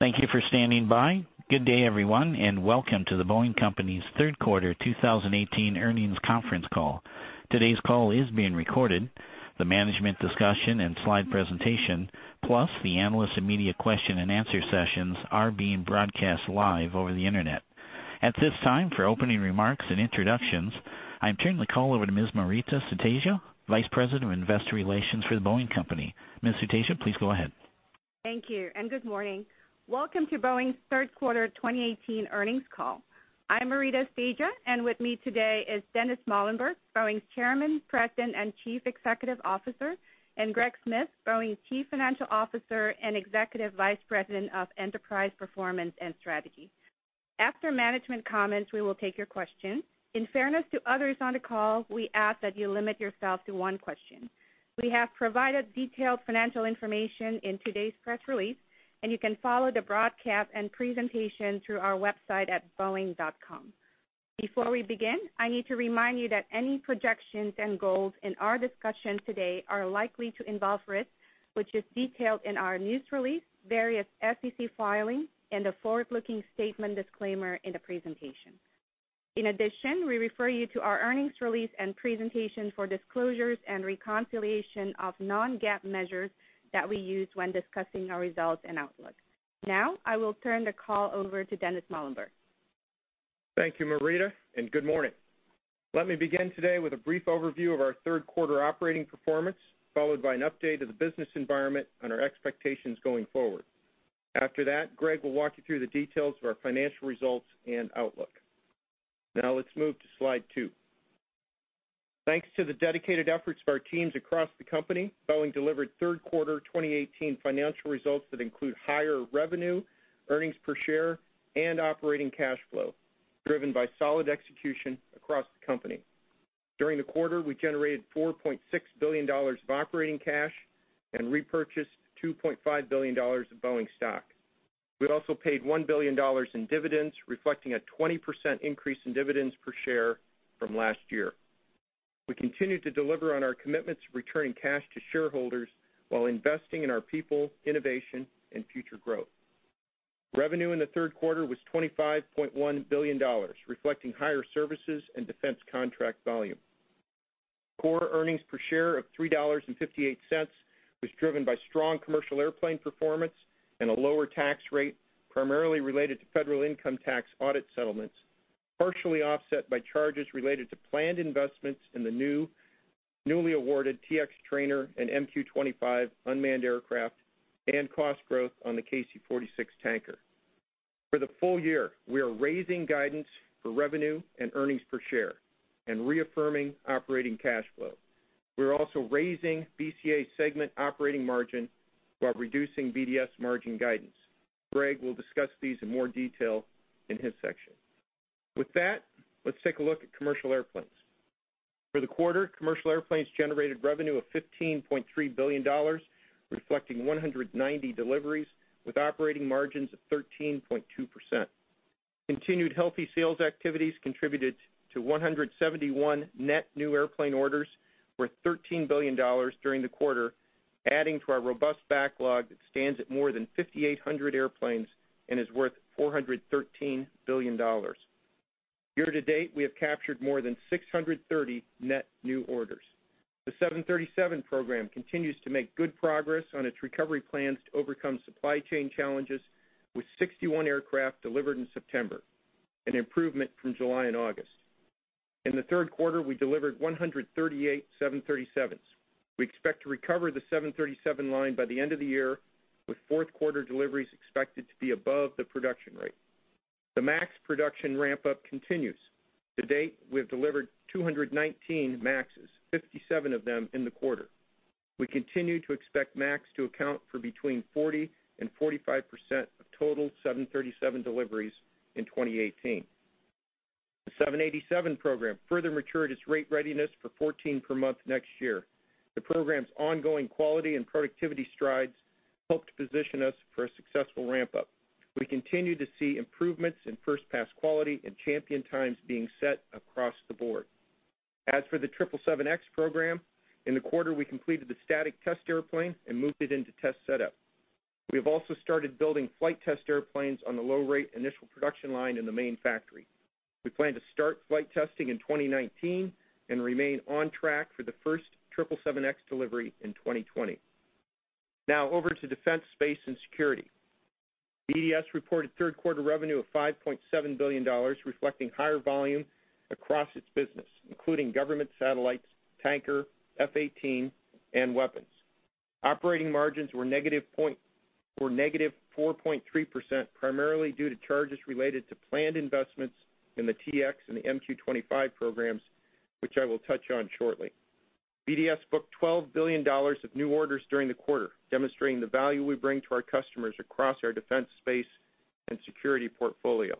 Thank you for standing by. Good day, everyone, and welcome to The Boeing Company's third quarter 2018 earnings conference call. Today's call is being recorded. The management discussion and slide presentation, plus the analyst and media question and answer sessions are being broadcast live over the internet. At this time, for opening remarks and introductions, I'm turning the call over to Ms. Maurita Sutedja, Vice President of Investor Relations for The Boeing Company. Ms. Sutedja, please go ahead. Thank you, and good morning. Welcome to Boeing's third quarter 2018 earnings call. I'm Maurita Sutedja, and with me today is Dennis Muilenburg, Boeing's Chairman, President, and Chief Executive Officer, and Greg Smith, Boeing's Chief Financial Officer and Executive Vice President of Enterprise Performance and Strategy. After management comments, we will take your questions. In fairness to others on the call, we ask that you limit yourself to one question. We have provided detailed financial information in today's press release, and you can follow the broadcast and presentation through our website at boeing.com. Before we begin, I need to remind you that any projections and goals in our discussion today are likely to involve risk, which is detailed in our news release, various SEC filings, and the forward-looking statement disclaimer in the presentation. In addition, we refer you to our earnings release and presentation for disclosures and reconciliation of non-GAAP measures that we use when discussing our results and outlook. Now, I will turn the call over to Dennis Muilenburg. Thank you, Maurita, and good morning. Let me begin today with a brief overview of our third quarter operating performance, followed by an update of the business environment and our expectations going forward. After that, Greg will walk you through the details of our financial results and outlook. Now let's move to slide two. Thanks to the dedicated efforts of our teams across the company, Boeing delivered third quarter 2018 financial results that include higher revenue, earnings per share, and operating cash flow, driven by solid execution across the company. During the quarter, we generated $4.6 billion of operating cash and repurchased $2.5 billion of Boeing stock. We also paid $1 billion in dividends, reflecting a 20% increase in dividends per share from last year. We continued to deliver on our commitments of returning cash to shareholders while investing in our people, innovation, and future growth. Revenue in the third quarter was $25.1 billion, reflecting higher services and defense contract volume. Core earnings per share of $3.58 was driven by strong commercial airplane performance and a lower tax rate, primarily related to federal income tax audit settlements, partially offset by charges related to planned investments in the newly awarded T-X trainer and MQ-25 unmanned aircraft and cost growth on the KC-46 tanker. For the full year, we are raising guidance for revenue and earnings per share and reaffirming operating cash flow. We're also raising BCA segment operating margin while reducing BDS margin guidance. Greg will discuss these in more detail in his section. Let's take a look at commercial airplanes. For the quarter, commercial airplanes generated revenue of $15.3 billion, reflecting 190 deliveries with operating margins of 13.2%. Continued healthy sales activities contributed to 171 net new airplane orders worth $13 billion during the quarter, adding to our robust backlog that stands at more than 5,800 airplanes and is worth $413 billion. Year to date, we have captured more than 630 net new orders. The 737 program continues to make good progress on its recovery plans to overcome supply chain challenges, with 61 aircraft delivered in September, an improvement from July and August. In the third quarter, we delivered 138 737s. We expect to recover the 737 line by the end of the year, with fourth quarter deliveries expected to be above the production rate. The MAX production ramp-up continues. To date, we have delivered 219 MAXs, 57 of them in the quarter. We continue to expect MAX to account for between 40% and 45% of total 737 deliveries in 2018. The 787 program further matured its rate readiness for 14 per month next year. The program's ongoing quality and productivity strides help to position us for a successful ramp-up. We continue to see improvements in first-pass quality and champion times being set across the board. As for the 777X program, in the quarter, we completed the static test airplane and moved it into test setup. We have also started building flight test airplanes on the low-rate initial production line in the main factory. We plan to start flight testing in 2019 and remain on track for the first 777X delivery in 2020. Over to Defense, Space, and Security. BDS reported third quarter revenue of $5.7 billion, reflecting higher volume across its business, including government satellites, tanker, F-18, and weapons. Operating margins were -4.3%, primarily due to charges related to planned investments in the T-X and the MQ-25 programs, which I will touch on shortly. BDS booked $12 billion of new orders during the quarter, demonstrating the value we bring to our customers across our defense space and security portfolio.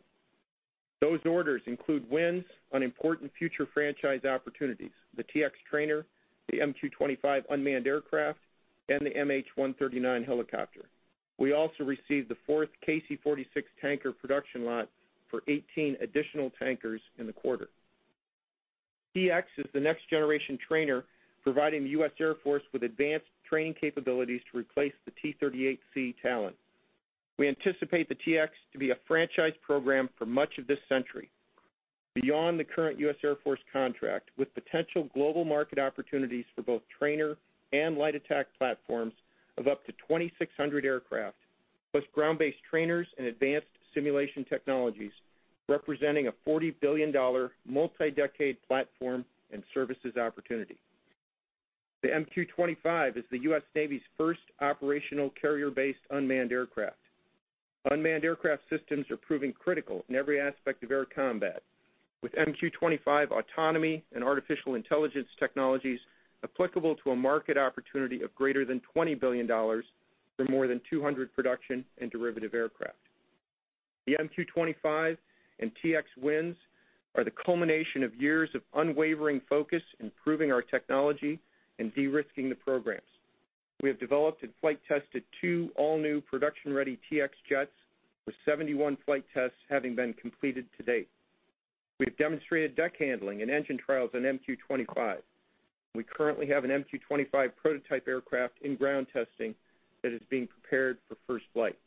Those orders include wins on important future franchise opportunities, the T-X trainer, the MQ-25 unmanned aircraft, and the MH-139 helicopter. We also received the fourth KC-46 tanker production lot for 18 additional tankers in the quarter. T-X is the next generation trainer providing the U.S. Air Force with advanced training capabilities to replace the T-38C Talon. We anticipate the T-X to be a franchise program for much of this century. Beyond the current U.S. Air Force contract, with potential global market opportunities for both trainer and light attack platforms of up to 2,600 aircraft, plus ground-based trainers and advanced simulation technologies, representing a $40 billion multi-decade platform and services opportunity. The MQ-25 is the U.S. Navy's first operational carrier-based unmanned aircraft. Unmanned aircraft systems are proving critical in every aspect of air combat, with MQ-25 autonomy and artificial intelligence technologies applicable to a market opportunity of greater than $20 billion for more than 200 production and derivative aircraft. The MQ-25 and T-X wins are the culmination of years of unwavering focus in improving our technology and de-risking the programs. We have developed and flight tested two all-new production-ready T-X jets, with 71 flight tests having been completed to date. We've demonstrated deck handling and engine trials on MQ-25. We currently have an MQ-25 prototype aircraft in ground testing that is being prepared for first flight.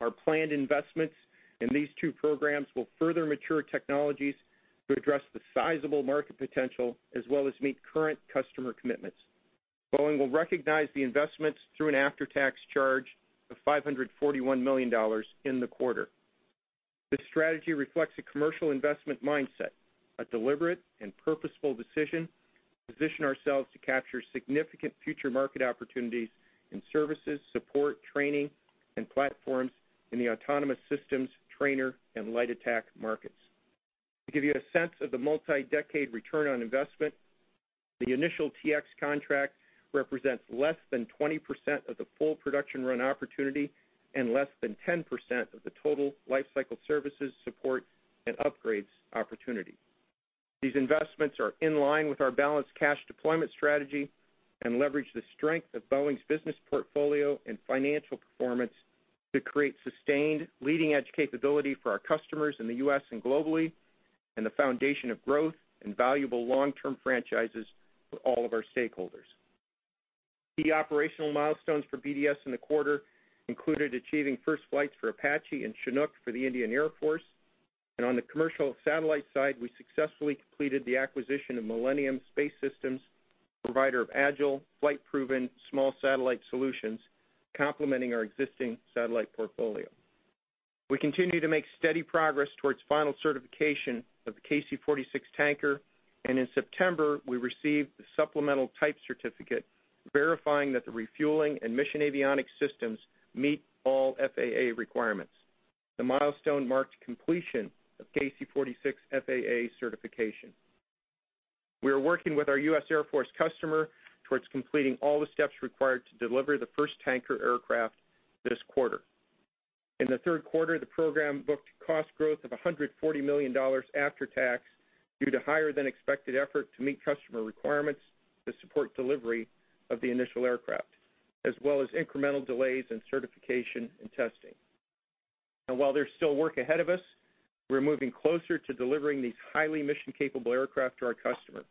Our planned investments in these two programs will further mature technologies to address the sizable market potential, as well as meet current customer commitments. Boeing will recognize the investments through an after-tax charge of $541 million in the quarter. This strategy reflects a commercial investment mindset, a deliberate and purposeful decision to position ourselves to capture significant future market opportunities in services, support, training, and platforms in the autonomous systems trainer and light attack markets. To give you a sense of the multi-decade return on investment, the initial T-X contract represents less than 20% of the full production run opportunity and less than 10% of the total life cycle services support and upgrades opportunity. These investments are in line with our balanced cash deployment strategy and leverage the strength of Boeing's business portfolio and financial performance to create sustained leading-edge capability for our customers in the U.S. and globally, and the foundation of growth and valuable long-term franchises for all of our stakeholders. Key operational milestones for BDS in the quarter included achieving first flights for Apache and Chinook for the Indian Air Force. On the commercial satellite side, we successfully completed the acquisition of Millennium Space Systems, provider of agile, flight-proven small satellite solutions, complementing our existing satellite portfolio. We continue to make steady progress towards final certification of the KC-46 tanker, and in September, we received the supplemental type certificate verifying that the refueling and mission avionics systems meet all FAA requirements. The milestone marked completion of KC-46 FAA certification. We are working with our U.S. Air Force customer towards completing all the steps required to deliver the first tanker aircraft this quarter. In the third quarter, the program booked cost growth of $140 million after tax due to higher than expected effort to meet customer requirements to support delivery of the initial aircraft, as well as incremental delays in certification and testing. While there's still work ahead of us, we're moving closer to delivering these highly mission-capable aircraft to our customer.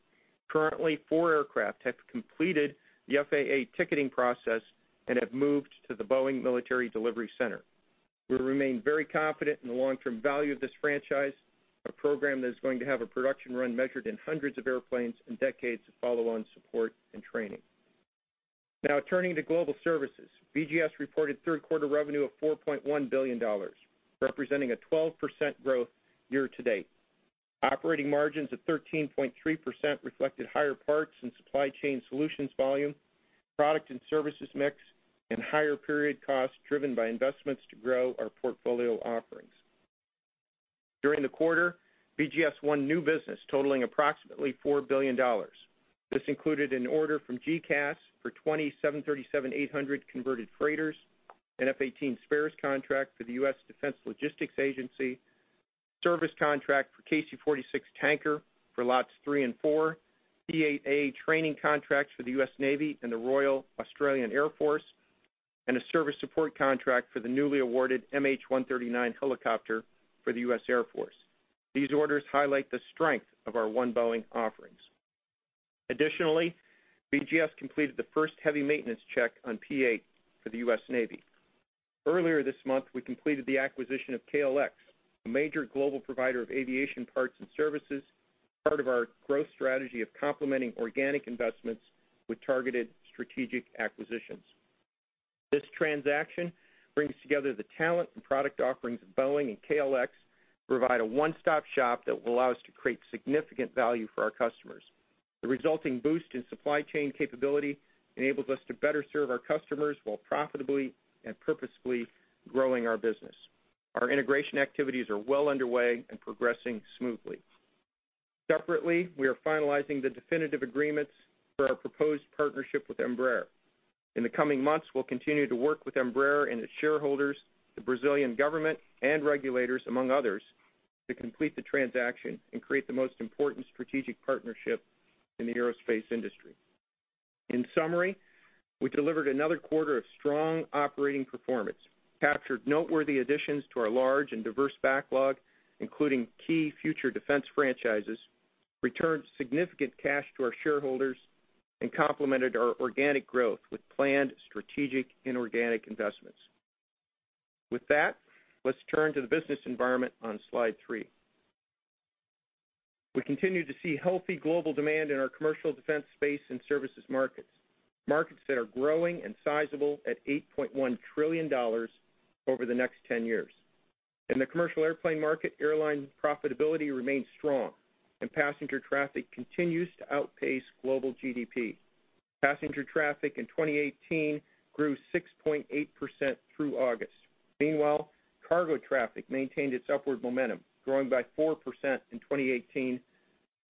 Currently, four aircraft have completed the FAA ticketing process and have moved to The Boeing Military Delivery Center. We remain very confident in the long-term value of this franchise, a program that is going to have a production run measured in hundreds of airplanes and decades of follow-on support and training. Turning to Global Services. BGS reported third quarter revenue of $4.1 billion, representing a 12% growth year-to-date. Operating margins of 13.3% reflected higher parts and supply chain solutions volume, product and services mix, and higher period costs driven by investments to grow our portfolio offerings. During the quarter, BGS won new business totaling approximately $4 billion. This included an order from GECAS for 20 737-800 converted freighters, an F-18 spares contract for the U.S. Defense Logistics Agency, service contract for KC-46 tanker for lots 3 and 4, P-8A training contracts for the U.S. Navy and the Royal Australian Air Force, and a service support contract for the newly awarded MH-139 helicopter for the U.S. Air Force. These orders highlight the strength of our One Boeing offerings. Additionally, BGS completed the first heavy maintenance check on P-8 for the U.S. Navy. Earlier this month, we completed the acquisition of KLX, a major global provider of aviation parts and services, part of our growth strategy of complementing organic investments with targeted strategic acquisitions. This transaction brings together the talent and product offerings of Boeing and KLX to provide a one-stop shop that will allow us to create significant value for our customers. The resulting boost in supply chain capability enables us to better serve our customers while profitably and purposefully growing our business. Our integration activities are well underway and progressing smoothly. Separately, we are finalizing the definitive agreements for our proposed partnership with Embraer. In the coming months, we'll continue to work with Embraer and its shareholders, the Brazilian government, and regulators, among others, to complete the transaction and create the most important strategic partnership in the aerospace industry. In summary, we delivered another quarter of strong operating performance, captured noteworthy additions to our large and diverse backlog, including key future Defense franchises, returned significant cash to our shareholders, and complemented our organic growth with planned strategic inorganic investments. With that, let's turn to the business environment on Slide 3. We continue to see healthy global demand in our commercial Defense space and services markets that are growing and sizable at $8.1 trillion over the next 10 years. In the commercial airplane market, airline profitability remains strong, and passenger traffic continues to outpace global GDP. Passenger traffic in 2018 grew 6.8% through August. Meanwhile, cargo traffic maintained its upward momentum, growing by 4% in 2018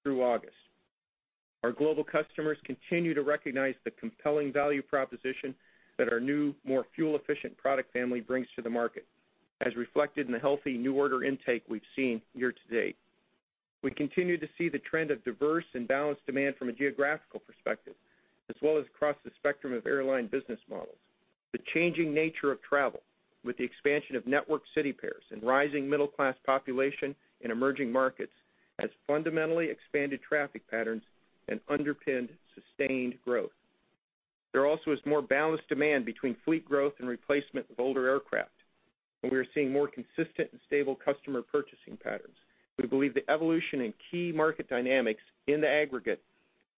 through August. Our global customers continue to recognize the compelling value proposition that our new, more fuel-efficient product family brings to the market, as reflected in the healthy new order intake we've seen year-to-date. We continue to see the trend of diverse and balanced demand from a geographical perspective, as well as across the spectrum of airline business models. The changing nature of travel, with the expansion of network city pairs and rising middle-class population in emerging markets, has fundamentally expanded traffic patterns and underpinned sustained growth. There also is more balanced demand between fleet growth and replacement of older aircraft, and we are seeing more consistent and stable customer purchasing patterns. We believe the evolution in key market dynamics in the aggregate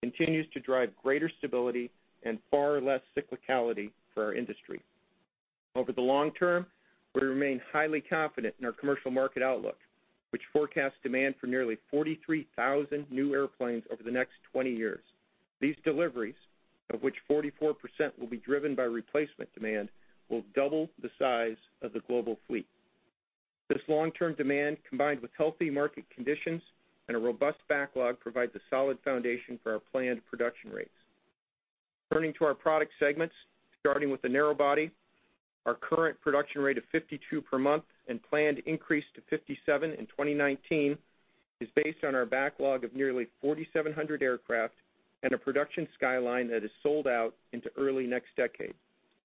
continues to drive greater stability and far less cyclicality for our industry. Over the long term, we remain highly confident in our commercial market outlook, which forecasts demand for nearly 43,000 new airplanes over the next 20 years. These deliveries, of which 44% will be driven by replacement demand, will double the size of the global fleet. This long-term demand, combined with healthy market conditions and a robust backlog, provides a solid foundation for our planned production rates. Turning to our product segments, starting with the narrow body, our current production rate of 52 per month and planned increase to 57 in 2019 is based on our backlog of nearly 4,700 aircraft and a production skyline that is sold out into early next decade.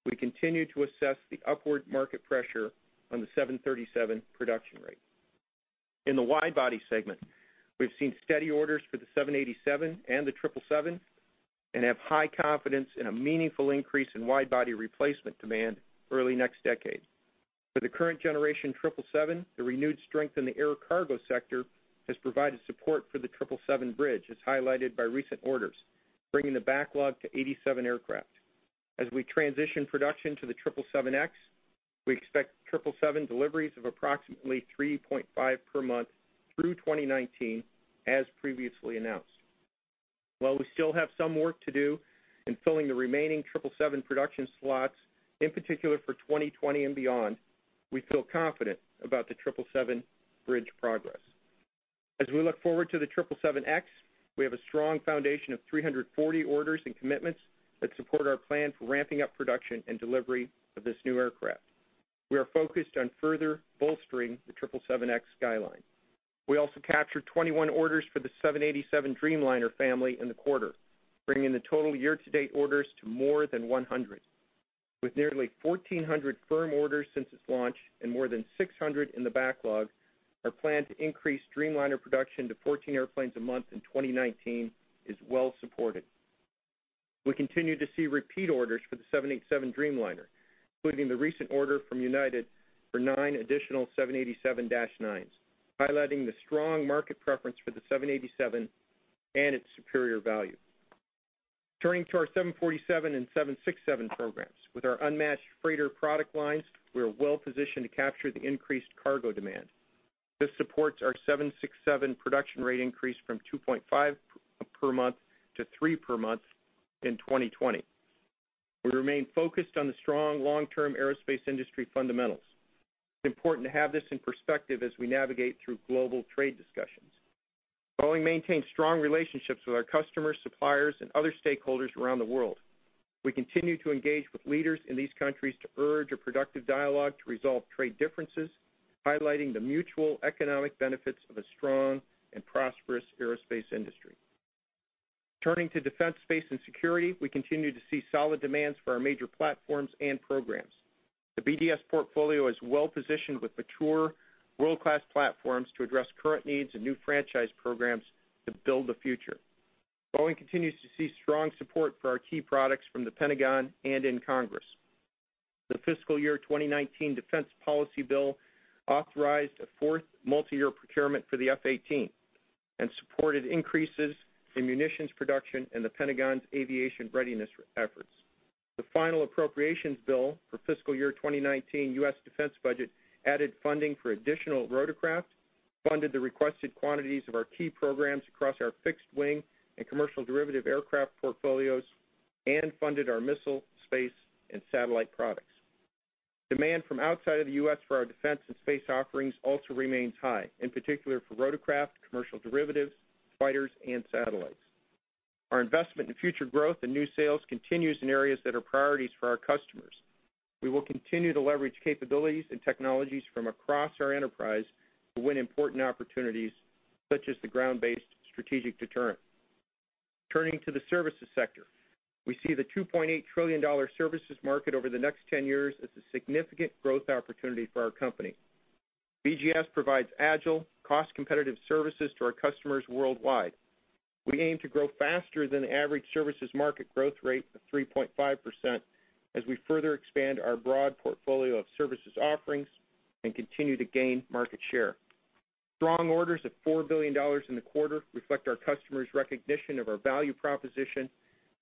We continue to assess the upward market pressure on the 737 production rate. In the wide body segment, we've seen steady orders for the 787 and the 777 and have high confidence in a meaningful increase in wide-body replacement demand early next decade. For the current generation 777, the renewed strength in the air cargo sector has provided support for the 777 bridge, as highlighted by recent orders, bringing the backlog to 87 aircraft. As we transition production to the 777X, we expect 777 deliveries of approximately 3.5 per month through 2019, as previously announced. While we still have some work to do in filling the remaining 777 production slots, in particular for 2020 and beyond, we feel confident about the 777 bridge progress. As we look forward to the 777X, we have a strong foundation of 340 orders and commitments that support our plan for ramping up production and delivery of this new aircraft. We are focused on further bolstering the 777X skyline. We also captured 21 orders for the 787 Dreamliner family in the quarter, bringing the total year-to-date orders to more than 100. With nearly 1,400 firm orders since its launch and more than 600 in the backlog, our plan to increase Dreamliner production to 14 airplanes a month in 2019 is well supported. We continue to see repeat orders for the 787 Dreamliner, including the recent order from United for nine additional 787-9s, highlighting the strong market preference for the 787 and its superior value. Turning to our 747 and 767 programs. With our unmatched freighter product lines, we are well positioned to capture the increased cargo demand. This supports our 767 production rate increase from 2.5 per month to 3 per month in 2020. We remain focused on the strong long-term aerospace industry fundamentals. It's important to have this in perspective as we navigate through global trade discussions. Boeing maintains strong relationships with our customers, suppliers, and other stakeholders around the world. We continue to engage with leaders in these countries to urge a productive dialogue to resolve trade differences, highlighting the mutual economic benefits of a strong and prosperous aerospace industry. Turning to defense, space, and security, we continue to see solid demands for our major platforms and programs. The BDS portfolio is well-positioned with mature, world-class platforms to address current needs and new franchise programs to build the future. Boeing continues to see strong support for our key products from The Pentagon and in Congress. The fiscal year 2019 defense policy bill authorized a fourth multiyear procurement for the F-18 and supported increases in munitions production and The Pentagon's aviation readiness efforts. The final appropriations bill for fiscal year 2019 U.S. defense budget added funding for additional rotorcraft, funded the requested quantities of our key programs across our fixed wing and commercial derivative aircraft portfolios, and funded our missile, space, and satellite products. Demand from outside of the U.S. for our defense and space offerings also remains high, in particular for rotorcraft, commercial derivatives, fighters, and satellites. Our investment in future growth and new sales continues in areas that are priorities for our customers. We will continue to leverage capabilities and technologies from across our enterprise to win important opportunities, such as the Ground-Based Strategic Deterrent. Turning to the services sector. We see the $2.8 trillion services market over the next 10 years as a significant growth opportunity for our company. BGS provides agile, cost-competitive services to our customers worldwide. We aim to grow faster than the average services market growth rate of 3.5% as we further expand our broad portfolio of services offerings and continue to gain market share. Strong orders of $4 billion in the quarter reflect our customers' recognition of our value proposition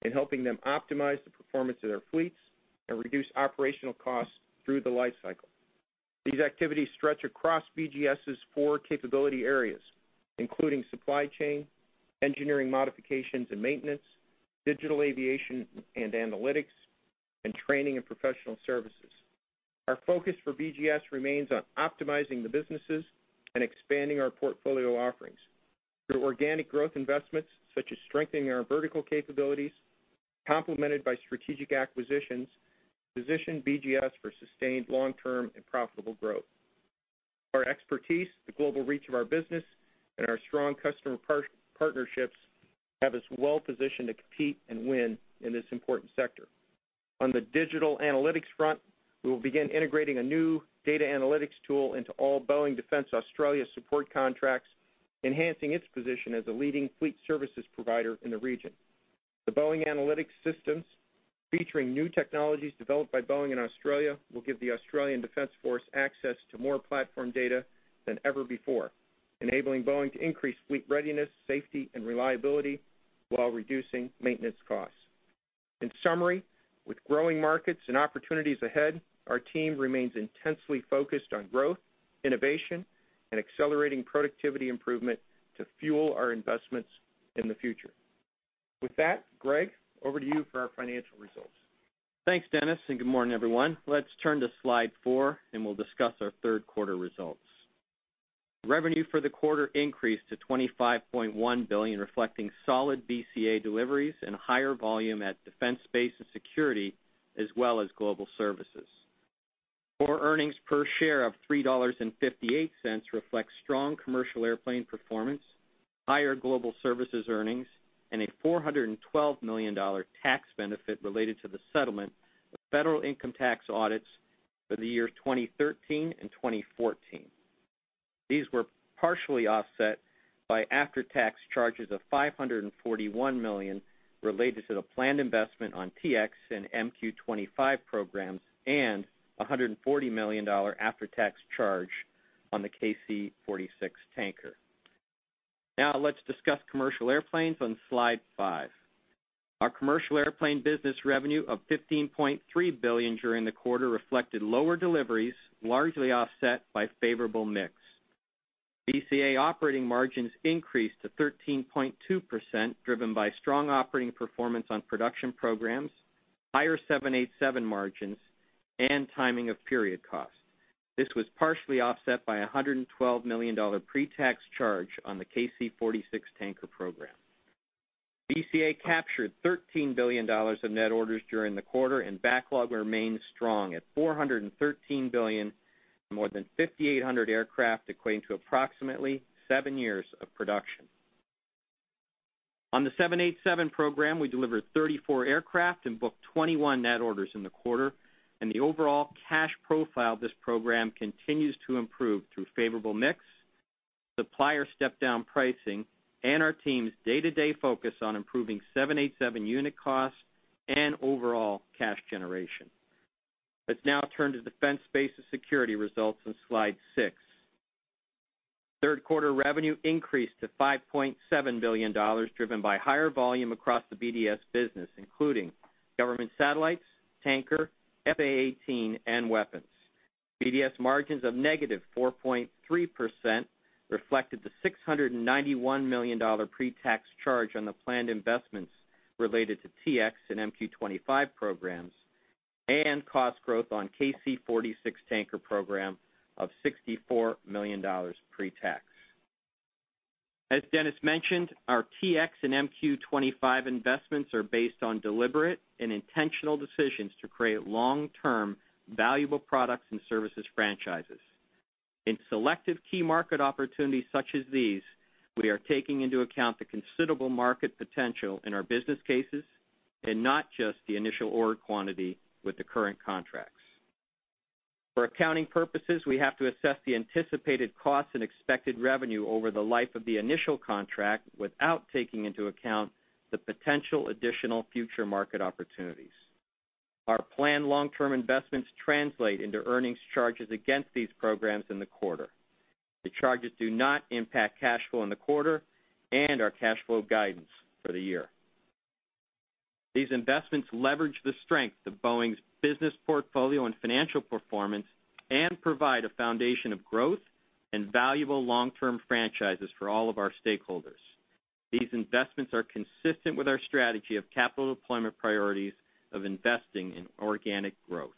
in helping them optimize the performance of their fleets and reduce operational costs through the life cycle. These activities stretch across BGS's four capability areas, including supply chain, engineering modifications and maintenance, digital aviation and analytics, and training and professional services. Our focus for BGS remains on optimizing the businesses and expanding our portfolio offerings. Through organic growth investments, such as strengthening our vertical capabilities, complemented by strategic acquisitions, position BGS for sustained long-term and profitable growth. Our expertise, the global reach of our business, and our strong customer partnerships have us well-positioned to compete and win in this important sector. On the digital analytics front, we will begin integrating a new data analytics tool into all Boeing Defence Australia support contracts, enhancing its position as a leading fleet services provider in the region. The Boeing AnalytX systems, featuring new technologies developed by Boeing in Australia, will give the Australian Defence Force access to more platform data than ever before, enabling Boeing to increase fleet readiness, safety, and reliability while reducing maintenance costs. In summary, with growing markets and opportunities ahead, our team remains intensely focused on growth, innovation, and accelerating productivity improvement to fuel our investments in the future. With that, Greg, over to you for our financial results. Thanks, Dennis, and good morning, everyone. Let's turn to slide four, and we'll discuss our third quarter results. Revenue for the quarter increased to $25.1 billion, reflecting solid BCA deliveries and higher volume at Defense, Space, and Security, as well as Global Services. Core earnings per share of $3.58 reflect strong commercial airplane performance, higher Global Services earnings, and a $412 million tax benefit related to the settlement of federal income tax audits for the year 2013 and 2014. These were partially offset by after-tax charges of $541 million related to the planned investment on T-X and MQ-25 programs and $140 million after-tax charge on the KC-46 Tanker. Now let's discuss Commercial Airplanes on slide five. Our Commercial Airplane business revenue of $15.3 billion during the quarter reflected lower deliveries, largely offset by favorable mix. BCA operating margins increased to 13.2%, driven by strong operating performance on production programs, higher 787 margins, and timing of period costs. This was partially offset by $112 million pre-tax charge on the KC-46 Tanker program. BCA captured $13 billion of net orders during the quarter. Backlog remains strong at $413 billion and more than 5,800 aircraft, equating to approximately seven years of production. On the 787 program, we delivered 34 aircraft and booked 21 net orders in the quarter. The overall cash profile of this program continues to improve through favorable mix, supplier step-down pricing, and our team's day-to-day focus on improving 787 unit costs and overall cash generation. Let's now turn to Defense, Space, and Security results on slide six. Third-quarter revenue increased to $5.7 billion, driven by higher volume across the BDS business, including government satellites, Tanker, F/A-18, and weapons. BDS margins of negative 4.3% reflected the $691 million pre-tax charge on the planned investments related to T-X and MQ-25 programs and cost growth on KC-46 Tanker program of $64 million pre-tax. As Dennis mentioned, our T-X and MQ-25 investments are based on deliberate and intentional decisions to create long-term valuable products and services franchises. In selective key market opportunities such as these, we are taking into account the considerable market potential in our business cases and not just the initial order quantity with the current contracts. For accounting purposes, we have to assess the anticipated costs and expected revenue over the life of the initial contract without taking into account the potential additional future market opportunities. Our planned long-term investments translate into earnings charges against these programs in the quarter. The charges do not impact cash flow in the quarter and our cash flow guidance for the year. These investments leverage the strength of Boeing's business portfolio and financial performance and provide a foundation of growth and valuable long-term franchises for all of our stakeholders. These investments are consistent with our strategy of capital deployment priorities of investing in organic growth.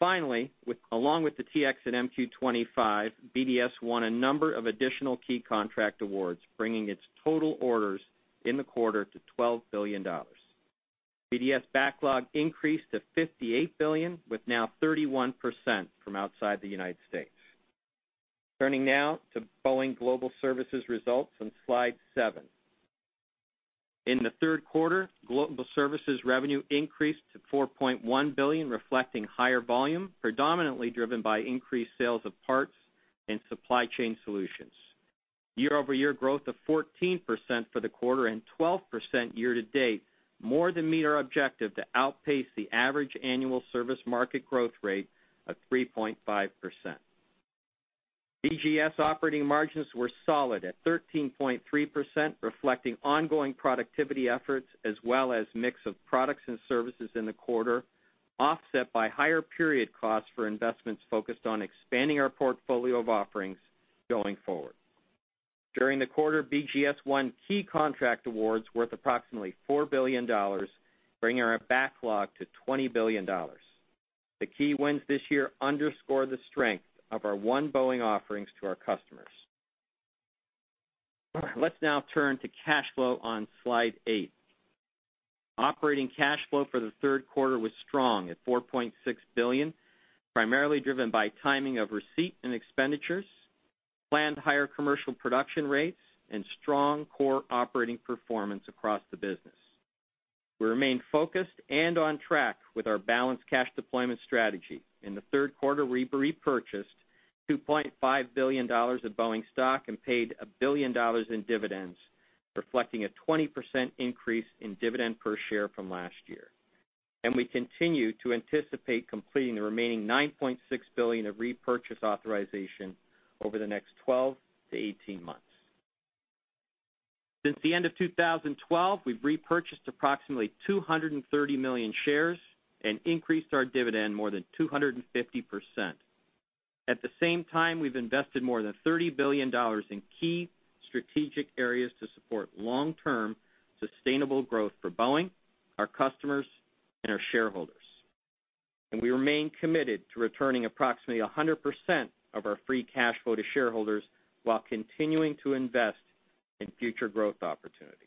Finally, along with the T-X and MQ-25, BDS won a number of additional key contract awards, bringing its total orders in the quarter to $12 billion. BDS backlog increased to $58 billion with now 31% from outside the United States. Turning now to Boeing Global Services results on slide seven. In the third quarter, Global Services revenue increased to $4.1 billion, reflecting higher volume, predominantly driven by increased sales of parts and supply chain solutions. Year-over-year growth of 14% for the quarter and 12% year-to-date more than meet our objective to outpace the average annual service market growth rate of 3.5%. BGS operating margins were solid at 13.3%, reflecting ongoing productivity efforts as well as mix of products and services in the quarter, offset by higher period costs for investments focused on expanding our portfolio of offerings going forward. During the quarter, BGS won key contract awards worth approximately $4 billion, bringing our backlog to $20 billion. The key wins this year underscore the strength of our One Boeing offerings to our customers. Let's now turn to cash flow on slide eight. Operating cash flow for the third quarter was strong at $4.6 billion, primarily driven by timing of receipt and expenditures, planned higher commercial production rates, and strong core operating performance across the business. We remain focused and on track with our balanced cash deployment strategy. In the third quarter, we repurchased $2.5 billion of Boeing stock and paid $1 billion in dividends, reflecting a 20% increase in dividend per share from last year. We continue to anticipate completing the remaining $9.6 billion of repurchase authorization over the next 12-18 months. Since the end of 2012, we've repurchased approximately 230 million shares and increased our dividend more than 250%. At the same time, we've invested more than $30 billion in key strategic areas to support long-term sustainable growth for Boeing, our customers, and our shareholders. We remain committed to returning approximately 100% of our free cash flow to shareholders while continuing to invest in future growth opportunities.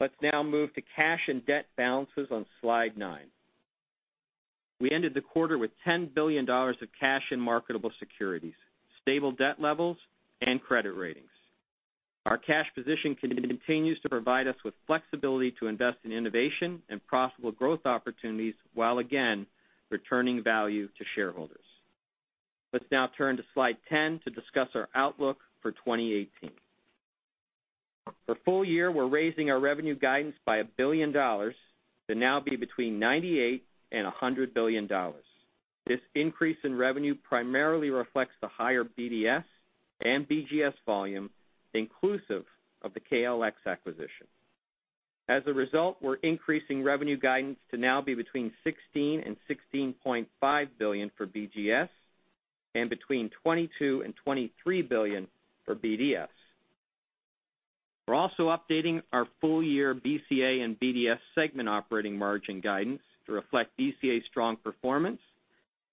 Let's now move to cash and debt balances on slide nine. We ended the quarter with $10 billion of cash and marketable securities, stable debt levels, and credit ratings. Our cash position continues to provide us with flexibility to invest in innovation and profitable growth opportunities while again, returning value to shareholders. Let's now turn to slide 10 to discuss our outlook for 2018. For full year, we're raising our revenue guidance by $1 billion to now be between $98 billion and $100 billion. This increase in revenue primarily reflects the higher BDS and BGS volume, inclusive of the KLX acquisition. As a result, we're increasing revenue guidance to now be between $16 billion and $16.5 billion for BGS and between $22 billion and $23 billion for BDS. We're also updating our full year BCA and BDS segment operating margin guidance to reflect BCA's strong performance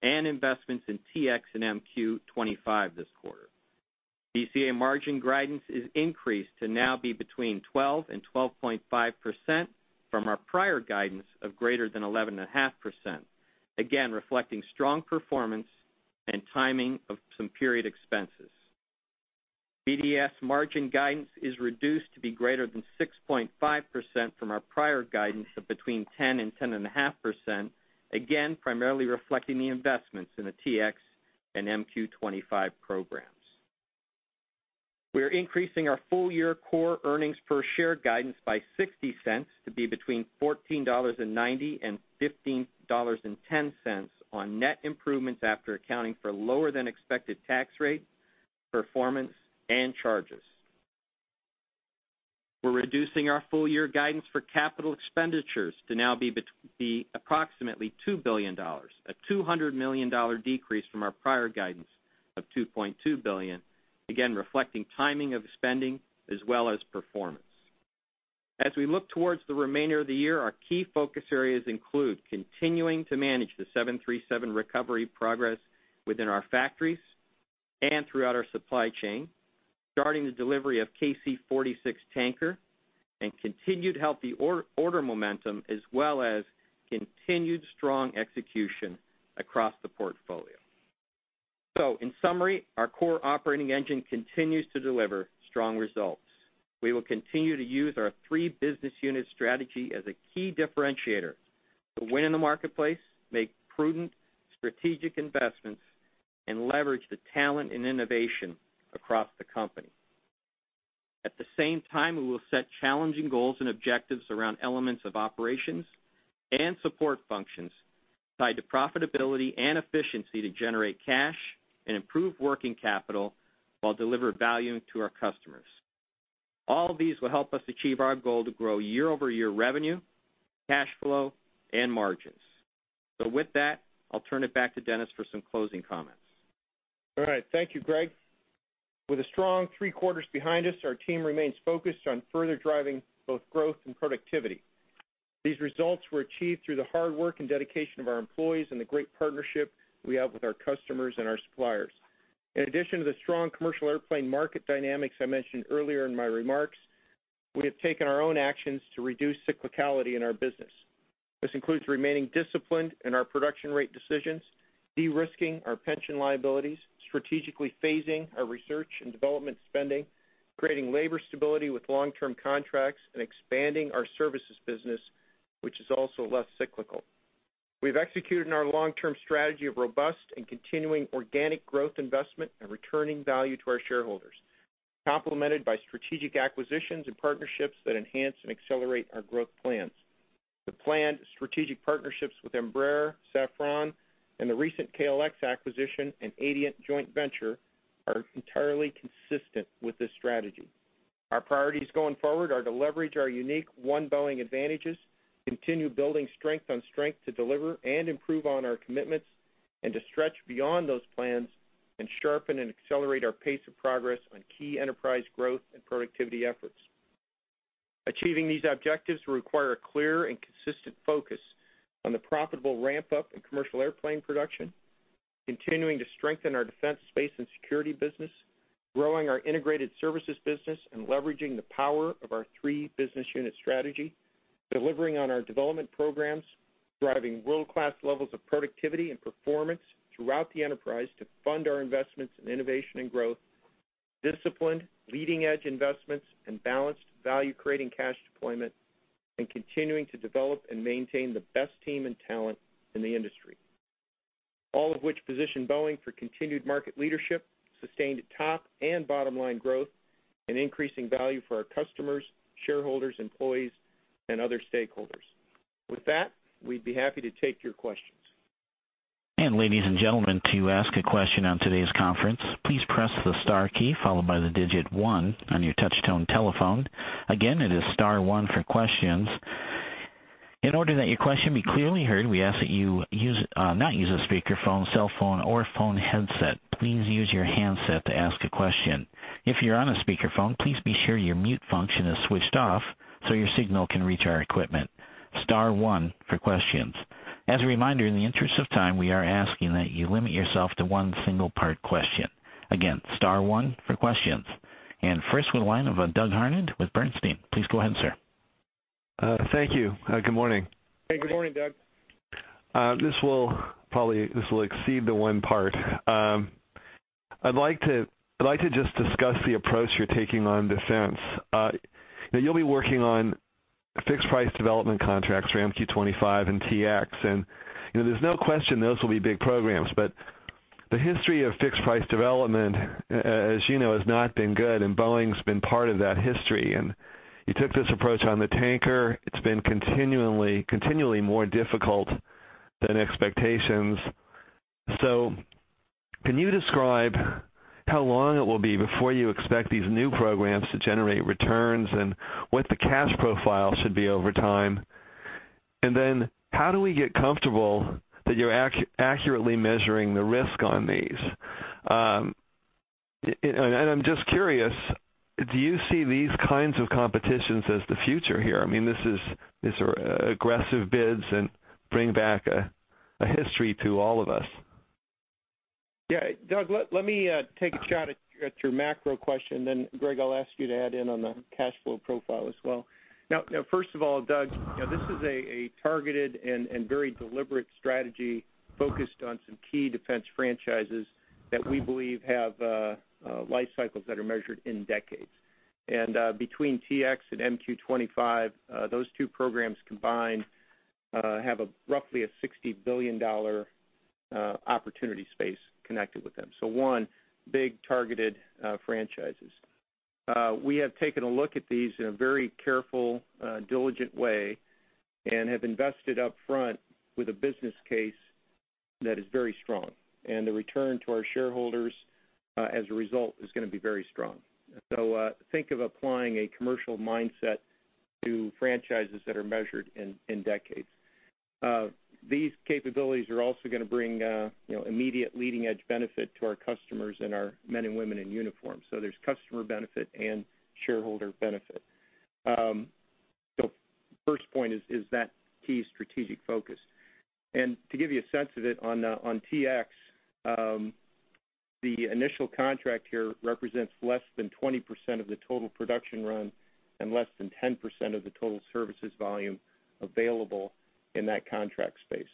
and investments in T-X and MQ-25 this quarter. BCA margin guidance is increased to now be between 12% and 12.5% from our prior guidance of greater than 11.5%, again reflecting strong performance and timing of some period expenses. BDS margin guidance is reduced to be greater than 6.5% from our prior guidance of between 10% and 10.5%, again, primarily reflecting the investments in the T-X and MQ-25 programs. We are increasing our full-year core earnings per share guidance by $0.60 to be between $14.90 and $15.10 on net improvements after accounting for lower than expected tax rate, performance, and charges. We're reducing our full year guidance for capital expenditures to now be approximately $2 billion, a $200 million decrease from our prior guidance of $2.2 billion, again, reflecting timing of spending as well as performance. As we look towards the remainder of the year, our key focus areas include continuing to manage the 737 recovery progress within our factories and throughout our supply chain, starting the delivery of KC-46 Tanker, and continued healthy order momentum as well as continued strong execution across the portfolio. In summary, our core operating engine continues to deliver strong results. We will continue to use our three business unit strategy as a key differentiator to win in the marketplace, make prudent strategic investments, and leverage the talent and innovation across the company. At the same time, we will set challenging goals and objectives around elements of operations and support functions tied to profitability and efficiency to generate cash and improve working capital while delivering value to our customers. All these will help us achieve our goal to grow year-over-year revenue, cash flow, and margins. With that, I'll turn it back to Dennis for some closing comments. All right. Thank you, Greg. With a strong three quarters behind us, our team remains focused on further driving both growth and productivity. These results were achieved through the hard work and dedication of our employees and the great partnership we have with our customers and our suppliers. In addition to the strong commercial airplane market dynamics I mentioned earlier in my remarks, we have taken our own actions to reduce cyclicality in our business. This includes remaining disciplined in our production rate decisions, de-risking our pension liabilities, strategically phasing our research and development spending, creating labor stability with long-term contracts, and expanding our services business, which is also less cyclical. We've executed on our long-term strategy of robust and continuing organic growth investment and returning value to our shareholders, complemented by strategic acquisitions and partnerships that enhance and accelerate our growth plans. The planned strategic partnerships with Embraer, Safran, and the recent KLX acquisition and Adient joint venture are entirely consistent with this strategy. Our priorities going forward are to leverage our unique One Boeing advantages, continue building strength on strength to deliver and improve on our commitments, and to stretch beyond those plans and sharpen and accelerate our pace of progress on key enterprise growth and productivity efforts. Achieving these objectives will require a clear and consistent focus on the profitable ramp-up in commercial airplane production, continuing to strengthen our Defense, Space, and Security business, growing our integrated services business, and leveraging the power of our three-business unit strategy, delivering on our development programs, driving world-class levels of productivity and performance throughout the enterprise to fund our investments in innovation and growth, disciplined leading-edge investments and balanced value-creating cash deployment, and continuing to develop and maintain the best team and talent in the industry. All of which position Boeing for continued market leadership, sustained top and bottom-line growth, and increasing value for our customers, shareholders, employees, and other stakeholders. With that, we'd be happy to take your questions. Ladies and gentlemen, to ask a question on today's conference, please press the star key followed by the digit 1 on your touch-tone telephone. Again, it is Star 1 for questions. In order that your question be clearly heard, we ask that you not use a speakerphone, cell phone, or phone headset. Please use your handset to ask a question. If you're on a speakerphone, please be sure your mute function is switched off so your signal can reach our equipment. Star 1 for questions. As a reminder, in the interest of time, we are asking that you limit yourself to 1 single part question. Again, Star 1 for questions. First on the line of Doug Harned with Bernstein. Please go ahead, sir. Thank you. Good morning. Hey, good morning, Doug. This will probably exceed the 1 part. I'd like to just discuss the approach you're taking on defense. You'll be working on fixed price development contracts for MQ-25 and T-X, there's no question those will be big programs, but the history of fixed price development, as you know, has not been good, Boeing's been part of that history. You took this approach on the tanker. It's been continually more difficult than expectations. Can you describe how long it will be before you expect these new programs to generate returns, what the cash profile should be over time? Then how do we get comfortable that you're accurately measuring the risk on these? I'm just curious, do you see these kinds of competitions as the future here? These are aggressive bids and bring back a history to all of us. Doug, let me take a shot at your macro question. Greg, I'll ask you to add in on the cash flow profile as well. First of all, Doug, this is a targeted and very deliberate strategy focused on some key defense franchises that we believe have life cycles that are measured in decades. Between T-X and MQ-25, those two programs combined have roughly a $60 billion opportunity space connected with them. One, big targeted franchises. We have taken a look at these in a very careful, diligent way and have invested upfront with a business case that is very strong. The return to our shareholders, as a result, is going to be very strong. Think of applying a commercial mindset to franchises that are measured in decades. These capabilities are also going to bring immediate leading-edge benefit to our customers and our men and women in uniform. There's customer benefit and shareholder benefit. The first point is that key strategic focus. To give you a sense of it, on T-X, the initial contract here represents less than 20% of the total production run and less than 10% of the total services volume available in that contract space.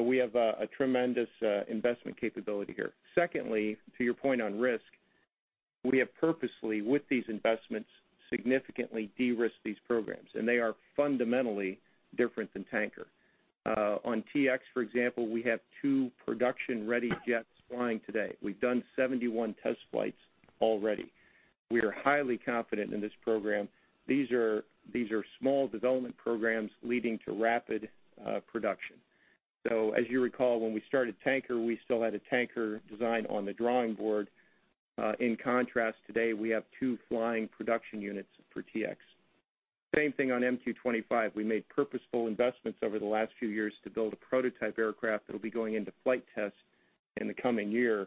We have a tremendous investment capability here. Secondly, to your point on risk, we have purposely, with these investments, significantly de-risked these programs, and they are fundamentally different than Tanker. On T-X, for example, we have two production-ready jets flying today. We've done 71 test flights already. We are highly confident in this program. These are small development programs leading to rapid production. As you recall, when we started Tanker, we still had a Tanker design on the drawing board. In contrast, today, we have two flying production units for T-X. Same thing on MQ-25. We made purposeful investments over the last few years to build a prototype aircraft that'll be going into flight tests in the coming year.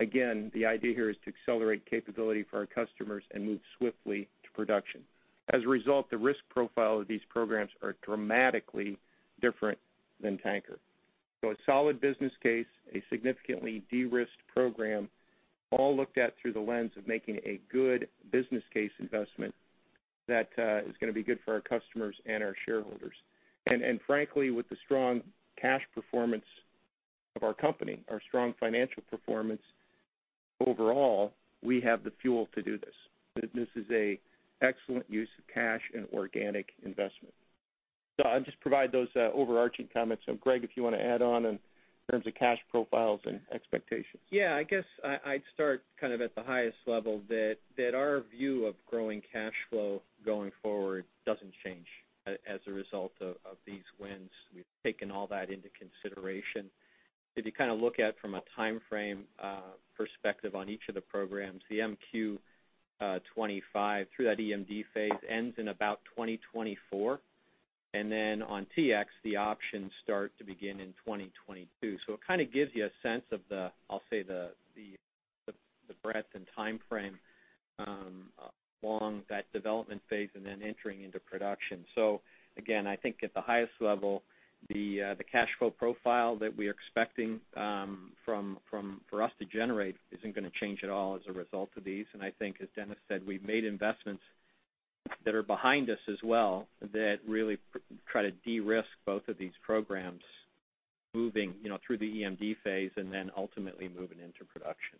Again, the idea here is to accelerate capability for our customers and move swiftly to production. As a result, the risk profile of these programs are dramatically different than Tanker. A solid business case, a significantly de-risked program, all looked at through the lens of making a good business case investment that is going to be good for our customers and our shareholders. Frankly, with the strong cash performance of our company, our strong financial performance overall, we have the fuel to do this. This is an excellent use of cash and organic investment. I'll just provide those overarching comments. Greg, if you want to add on in terms of cash profiles and expectations. Yeah. I guess I'd start at the highest level that our view of growing cash flow going forward doesn't change as a result of these wins. We've taken all that into consideration. If you look at from a timeframe perspective on each of the programs, the MQ-25 through that EMD phase ends in about 2024, then on T-X, the options start to begin in 2022. It kind of gives you a sense of the, I'll say, the breadth and timeframe along that development phase and then entering into production. Again, I think at the highest level, the cash flow profile that we're expecting for us to generate isn't going to change at all as a result of these. I think as Dennis said, we've made investments that are behind us as well that really try to de-risk both of these programs moving through the EMD phase and then ultimately moving into production.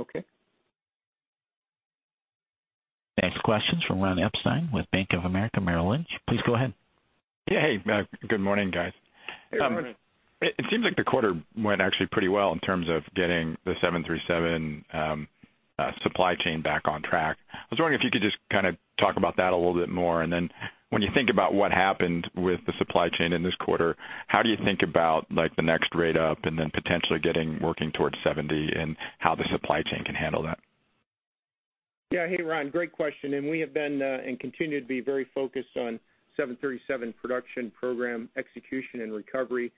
Okay. Next question's from Ron Epstein with Bank of America Merrill Lynch. Please go ahead. Yeah. Hey, good morning, guys. Hey, Ron. It seems like the quarter went actually pretty well in terms of getting the 737 supply chain back on track. I was wondering if you could just kind of talk about that a little bit more, then when you think about what happened with the supply chain in this quarter, how do you think about the next rate up and then potentially getting working towards 70 and how the supply chain can handle that? Hey, Ron. Great question. We have been, and continue to be very focused on 737 production program execution and recovery.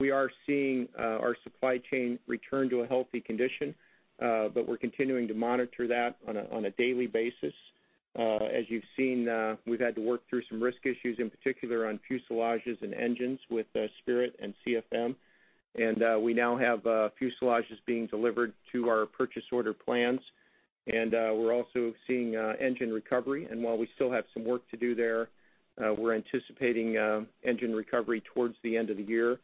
We are seeing our supply chain return to a healthy condition, but we're continuing to monitor that on a daily basis. As you've seen, we've had to work through some risk issues, in particular on fuselages and engines with Spirit and CFM, and we now have fuselages being delivered to our purchase order plans, and we're also seeing engine recovery. While we still have some work to do there, we're anticipating engine recovery towards the end of the year.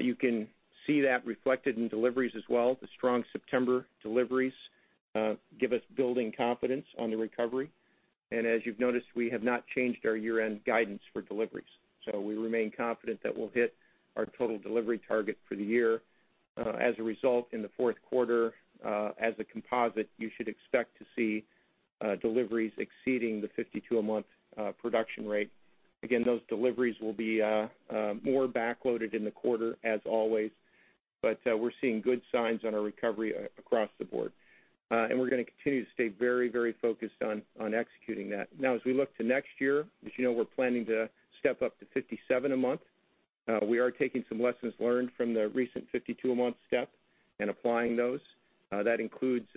You can see that reflected in deliveries as well. The strong September deliveries give us building confidence on the recovery. As you've noticed, we have not changed our year-end guidance for deliveries. We remain confident that we'll hit our total delivery target for the year. As a result, in the fourth quarter, as a composite, you should expect to see deliveries exceeding the 52 a month production rate. Again, those deliveries will be more back-loaded in the quarter as always, but we're seeing good signs on our recovery across the board. We're going to continue to stay very focused on executing that. Now as we look to next year, as you know, we're planning to step up to 57 a month. We are taking some lessons learned from the recent 52 a month step and applying those. That includes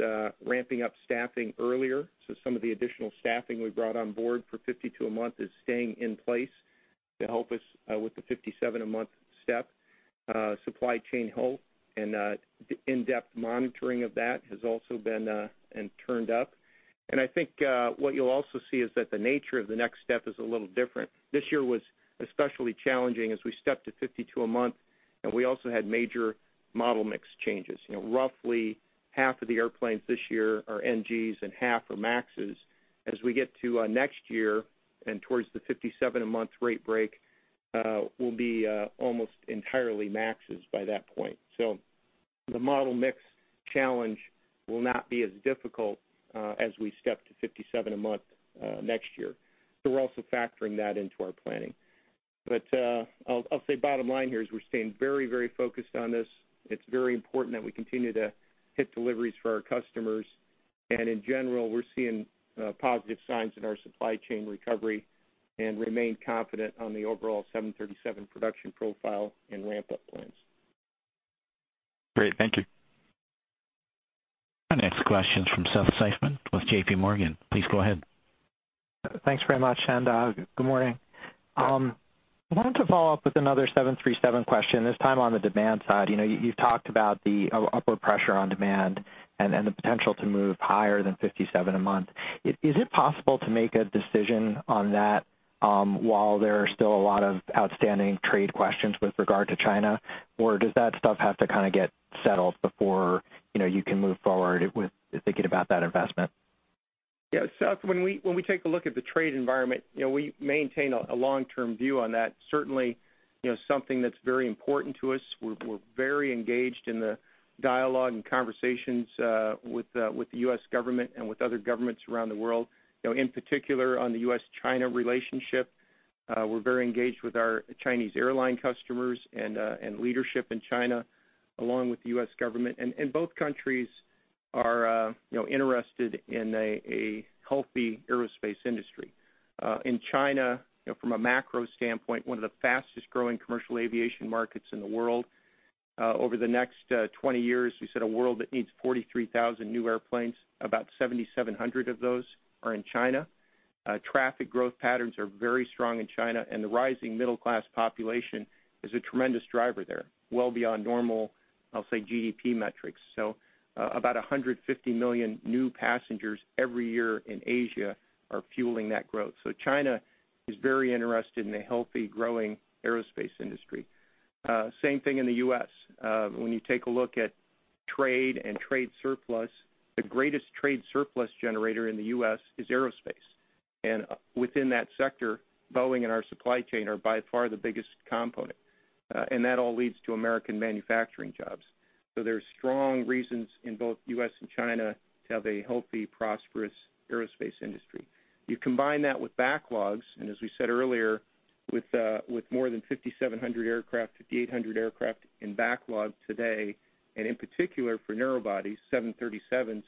ramping up staffing earlier. Some of the additional staffing we brought on board for 52 a month is staying in place to help us with the 57 a month step. Supply chain health and in-depth monitoring of that has also been turned up. I think what you'll also see is that the nature of the next step is a little different. This year was especially challenging as we stepped to 52 a month, and we also had major model mix changes. Roughly half of the airplanes this year are NGs and half are MAXs. As we get to next year and towards the 57 a month rate break, we'll be almost entirely MAXs by that point. The model mix challenge will not be as difficult as we step to 57 a month next year. We're also factoring that into our planning. I'll say bottom line here is we're staying very focused on this. It's very important that we continue to hit deliveries for our customers. In general, we're seeing positive signs in our supply chain recovery and remain confident on the overall 737 production profile and ramp-up plans. Great. Thank you. Our next question's from Seth Seifman with JPMorgan. Please go ahead. Thanks very much, good morning. I wanted to follow up with another 737 question, this time on the demand side. You've talked about the upward pressure on demand and the potential to move higher than 57 a month. Is it possible to make a decision on that while there are still a lot of outstanding trade questions with regard to China? Does that stuff have to kind of get settled before you can move forward with thinking about that investment? Yeah, Seth, when we take a look at the trade environment, we maintain a long-term view on that. Certainly, something that's very important to us. We're very engaged in the dialogue and conversations with the U.S. government and with other governments around the world, in particular on the U.S.-China relationship. We're very engaged with our Chinese airline customers and leadership in China, along with the U.S. government. Both countries are interested in a healthy aerospace industry. In China, from a macro standpoint, one of the fastest growing commercial aviation markets in the world. Over the next 20 years, we said a world that needs 43,000 new airplanes, about 7,700 of those are in China. Traffic growth patterns are very strong in China, and the rising middle-class population is a tremendous driver there, well beyond normal, I'll say, GDP metrics. About 150 million new passengers every year in Asia are fueling that growth. China is very interested in a healthy, growing aerospace industry. Same thing in the U.S. When you take a look at trade and trade surplus, the greatest trade surplus generator in the U.S. is aerospace. Within that sector, Boeing and our supply chain are by far the biggest component. That all leads to American manufacturing jobs. There's strong reasons in both U.S. and China to have a healthy, prosperous aerospace industry. You combine that with backlogs, and as we said earlier, with more than 5,700 aircraft, 5,800 aircraft in backlog today, and in particular for narrowbodies, 737s,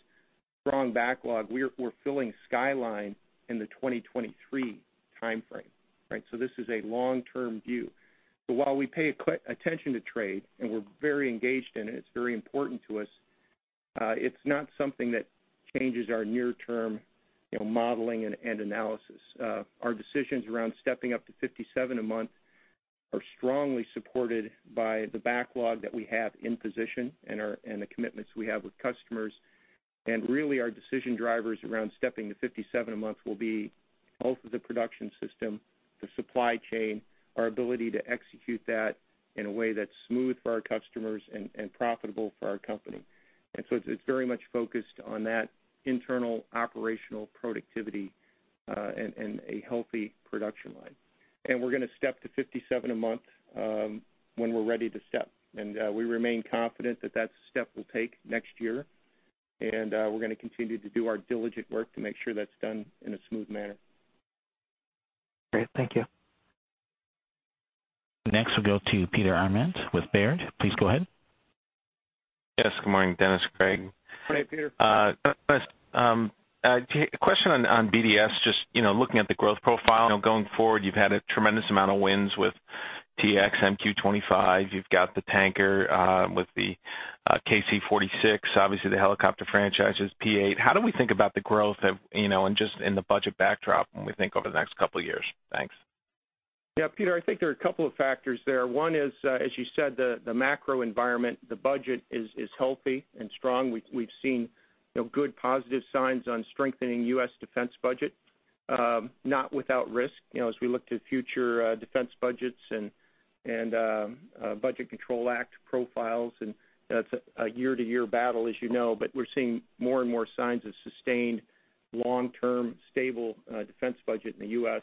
strong backlog. We're filling skyline in the 2023 timeframe. This is a long-term view. While we pay attention to trade, and we're very engaged in it's very important to us, it's not something that changes our near term modeling and analysis. Our decisions around stepping up to 57 a month are strongly supported by the backlog that we have in position and the commitments we have with customers. Really our decision drivers around stepping to 57 a month will be both of the production system, the supply chain, our ability to execute that in a way that's smooth for our customers and profitable for our company. It's very much focused on that internal operational productivity, and a healthy production line. We're going to step to 57 a month, when we're ready to step. We remain confident that step will take next year, we're going to continue to do our diligent work to make sure that's done in a smooth manner. Great. Thank you. Next, we'll go to Peter Arment with Baird. Please go ahead. Yes. Good morning, Dennis, Greg. Good morning, Peter. Dennis, a question on BDS, just looking at the growth profile, going forward, you've had a tremendous amount of wins with T-X, MQ-25. You've got the tanker, with the KC-46, obviously the helicopter franchises, P-8. How do we think about the growth, and just in the budget backdrop when we think over the next couple of years? Thanks. Yeah, Peter, I think there are a couple of factors there. One is, as you said, the macro environment, the budget is healthy and strong. We've seen good positive signs on strengthening U.S. defense budget, not without risk, as we look to future defense budgets and Budget Control Act profiles, and that's a year-to-year battle, as you know, but we're seeing more and more signs of sustained long-term, stable defense budget in the U.S.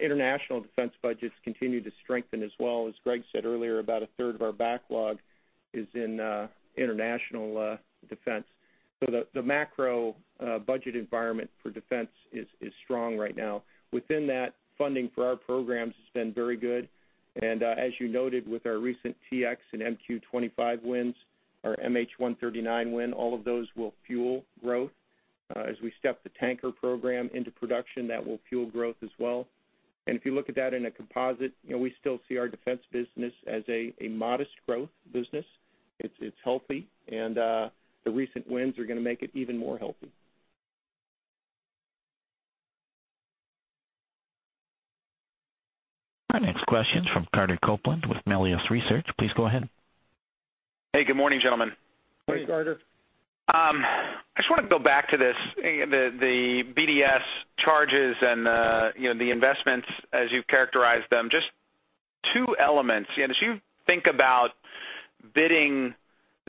International defense budgets continue to strengthen as well. As Greg said earlier, about a third of our backlog is in international defense. The macro budget environment for defense is strong right now. Within that, funding for our programs has been very good. As you noted with our recent T-X and MQ-25 wins, our MH-139 win, all of those will fuel growth. As we step the tanker program into production, that will fuel growth as well. If you look at that in a composite, we still see our defense business as a modest growth business. It's healthy and the recent wins are going to make it even more healthy. Our next question's from Carter Copeland with Melius Research. Please go ahead. Hey, good morning, gentlemen. Hey, Carter. I just want to go back to this, the BDS charges and the investments as you've characterized them, just two elements. As you think about bidding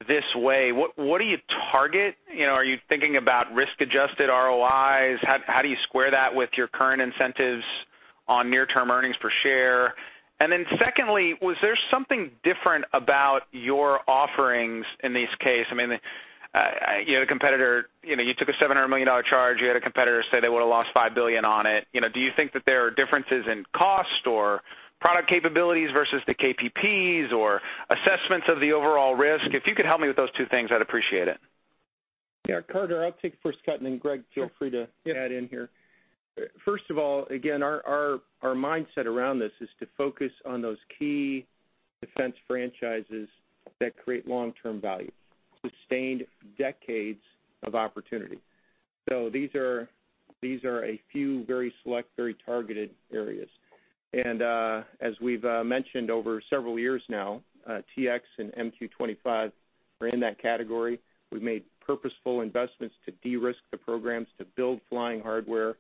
this way, what do you target? Are you thinking about risk-adjusted ROIs? How do you square that with your current incentives on near-term earnings per share? Secondly, was there something different about your offerings in this case? You took a $700 million charge. You had a competitor say they would've lost $5 billion on it. Do you think that there are differences in cost or product capabilities versus the KPPs or assessments of the overall risk? If you could help me with those two things, I'd appreciate it. Yeah, Carter, I'll take the first cut, Greg, feel free to add in here. First of all, again, our mindset around this is to focus on those key defense franchises that create long-term value, sustained decades of opportunity. These are a few very select, very targeted areas. As we've mentioned over several years now, T-X and MQ-25 are in that category. We've made purposeful investments to de-risk the programs, to build flying hardware,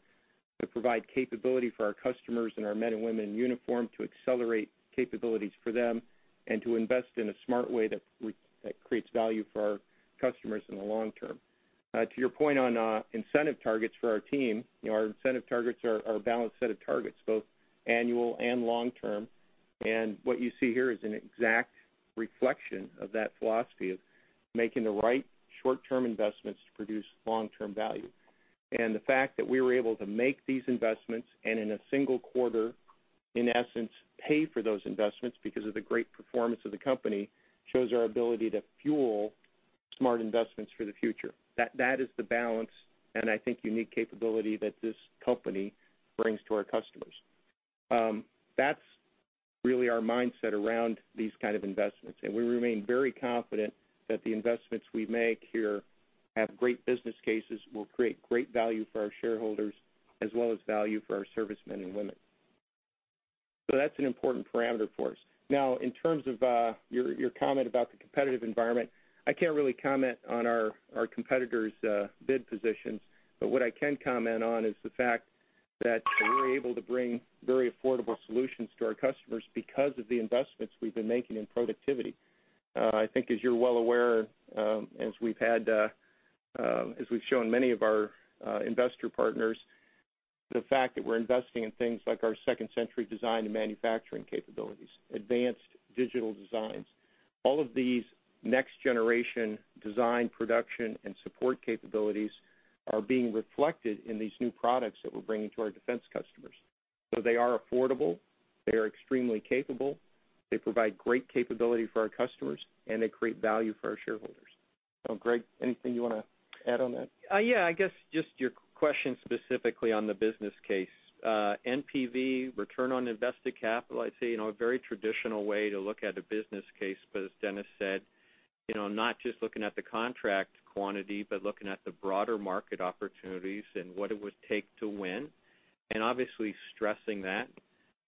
to provide capability for our customers and our men and women in uniform, to accelerate capabilities for them, and to invest in a smart way that creates value for our customers in the long term. To your point on incentive targets for our team, our incentive targets are a balanced set of targets, both annual and long term. What you see here is an exact reflection of that philosophy of making the right short-term investments to produce long-term value. The fact that we were able to make these investments and in a single quarter, in essence, pay for those investments because of the great performance of the company, shows our ability to fuel smart investments for the future. That is the balance, and I think unique capability that this company brings to our customers. That's really our mindset around these kind of investments, and we remain very confident that the investments we make here have great business cases, will create great value for our shareholders, as well as value for our service men and women. That's an important parameter for us. In terms of your comment about the competitive environment, I can't really comment on our competitors' bid positions. What I can comment on is the fact that we're able to bring very affordable solutions to our customers because of the investments we've been making in productivity. I think as you're well aware, as we've shown many of our investor partners, the fact that we're investing in things like our second-century design and manufacturing capabilities, advanced digital designs. All of these next-generation design, production, and support capabilities are being reflected in these new products that we're bringing to our defense customers. They are affordable, they are extremely capable, they provide great capability for our customers, and they create value for our shareholders. Greg, anything you want to add on that? I guess just your question specifically on the business case. NPV, return on invested capital, I'd say, a very traditional way to look at a business case. As Dennis said, not just looking at the contract quantity, but looking at the broader market opportunities and what it would take to win. Obviously stressing that,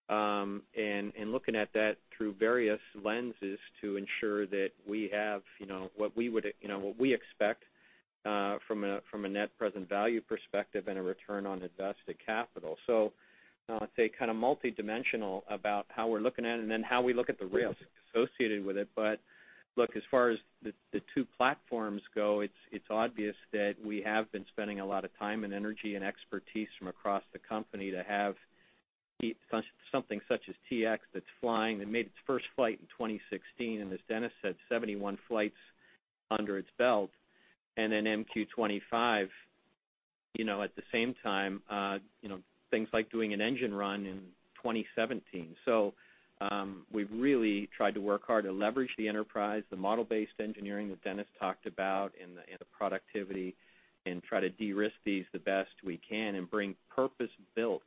and looking at that through various lenses to ensure that we have what we expect from a net present value perspective and a return on invested capital. I'd say kind of multidimensional about how we're looking at it and then how we look at the risks associated with it. As far as the two platforms go, it's obvious that we have been spending a lot of time and energy and expertise from across the company to have something such as T-X that's flying, that made its first flight in 2016, and as Dennis said, 71 flights under its belt. Then MQ-25, at the same time things like doing an engine run in 2017. We've really tried to work hard to leverage the enterprise, the model-based engineering that Dennis talked about and the productivity, and try to de-risk these the best we can and bring purpose-built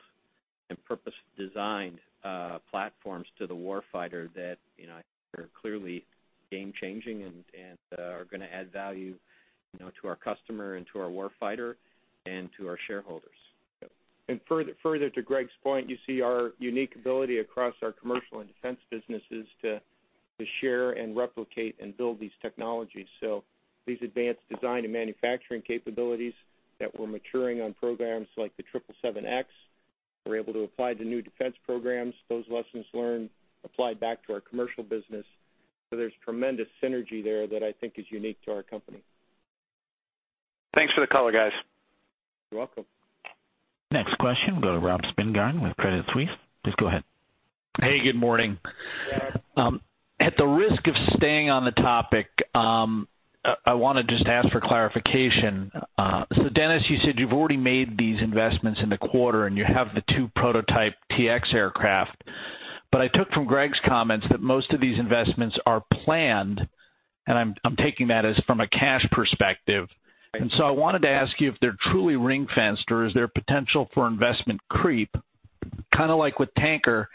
and purpose-designed platforms to the war fighter that are clearly game changing and are going to add value to our customer and to our war fighter and to our shareholders. Yep. Further to Greg's point, you see our unique ability across our commercial and defense businesses to share and replicate and build these technologies. These advanced design and manufacturing capabilities that we're maturing on programs like the 777X, we're able to apply to new defense programs. Those lessons learned applied back to our commercial business. There's tremendous synergy there that I think is unique to our company. Thanks for the color, guys. You're welcome. Next question will go to Robert Spingarn with Credit Suisse. Please go ahead. Hey, good morning. Good morning. Dennis, you said you've already made these investments in the quarter, and you have the two prototype T-X aircraft. I took from Greg's comments that most of these investments are planned, and I'm taking that as from a cash perspective. I wanted to ask you if they're truly ring-fenced, or is there potential for investment creep, kind of like with Tanker?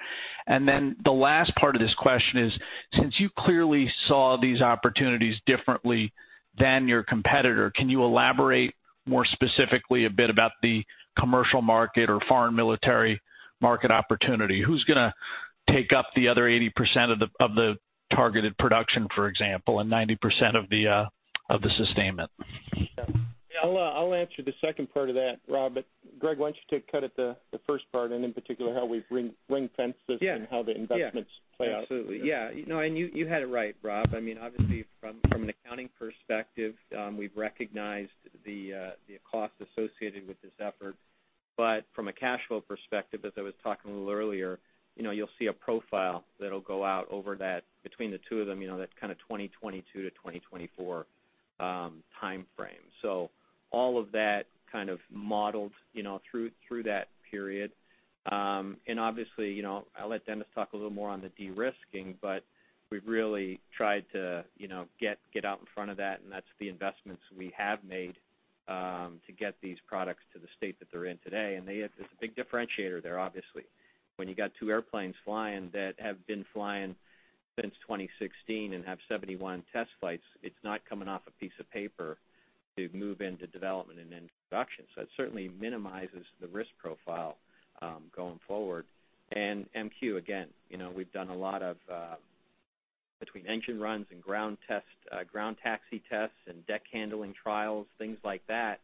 The last part of this question is, since you clearly saw these opportunities differently than your competitor, can you elaborate more specifically a bit about the commercial market or foreign military market opportunity? Who's going to take up the other 80% of the targeted production, for example, and 90% of the sustainment? Yeah. I'll answer the second part of that, Rob. Greg, why don't you take a cut at the first part, and in particular, how we've ring-fenced this and how the investments play out. You had it right, Rob. Obviously from an accounting perspective, we've recognized the cost associated with this effort. From a cash flow perspective, as I was talking a little earlier, you'll see a profile that'll go out over that between the two of them, that kind of 2022 to 2024 timeframe. All of that kind of modeled through that period. Obviously, I'll let Dennis talk a little more on the de-risking, but we've really tried to get out in front of that, and that's the investments we have made to get these products to the state that they're in today. There's a big differentiator there, obviously. When you got two airplanes flying that have been flying since 2016 and have 71 test flights, it's not coming off a piece of paper to move into development and then production. It certainly minimizes the risk profile going forward. MQ, again, we've done a lot between engine runs and ground taxi tests and deck handling trials, things like that,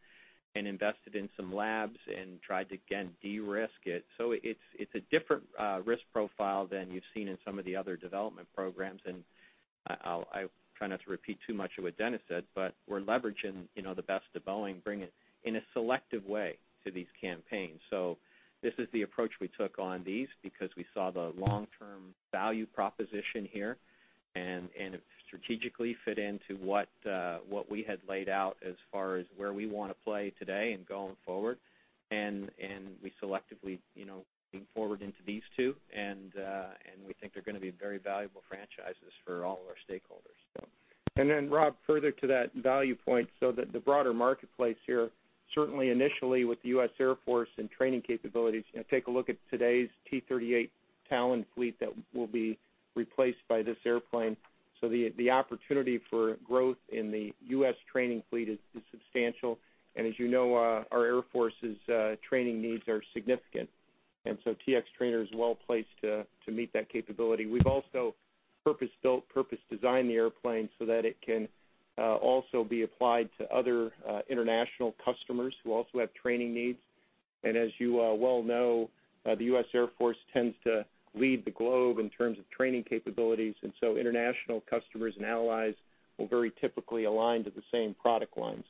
and invested in some labs and tried to, again, de-risk it. It's a different risk profile than you've seen in some of the other development programs. I try not to repeat too much of what Dennis said, but we're leveraging the best of Boeing, bringing it in a selective way to these campaigns. This is the approach we took on these because we saw the long-term value proposition here, and it strategically fit into what we had laid out as far as where we want to play today and going forward. We selectively leaned forward into these two and we think they're going to be very valuable franchises for all of our stakeholders. Rob, further to that value point, the broader marketplace here, certainly initially with the U.S. Air Force and training capabilities, take a look at today's T-38 Talon fleet that will be replaced by this airplane. The opportunity for growth in the U.S. training fleet is substantial. As you know, our Air Force's training needs are significant. T-X Trainer is well-placed to meet that capability. We've also purpose-built, purpose-designed the airplane so that it can also be applied to other international customers who also have training needs. As you well know, the U.S. Air Force tends to lead the globe in terms of training capabilities. International customers and allies will very typically align to the same product lines.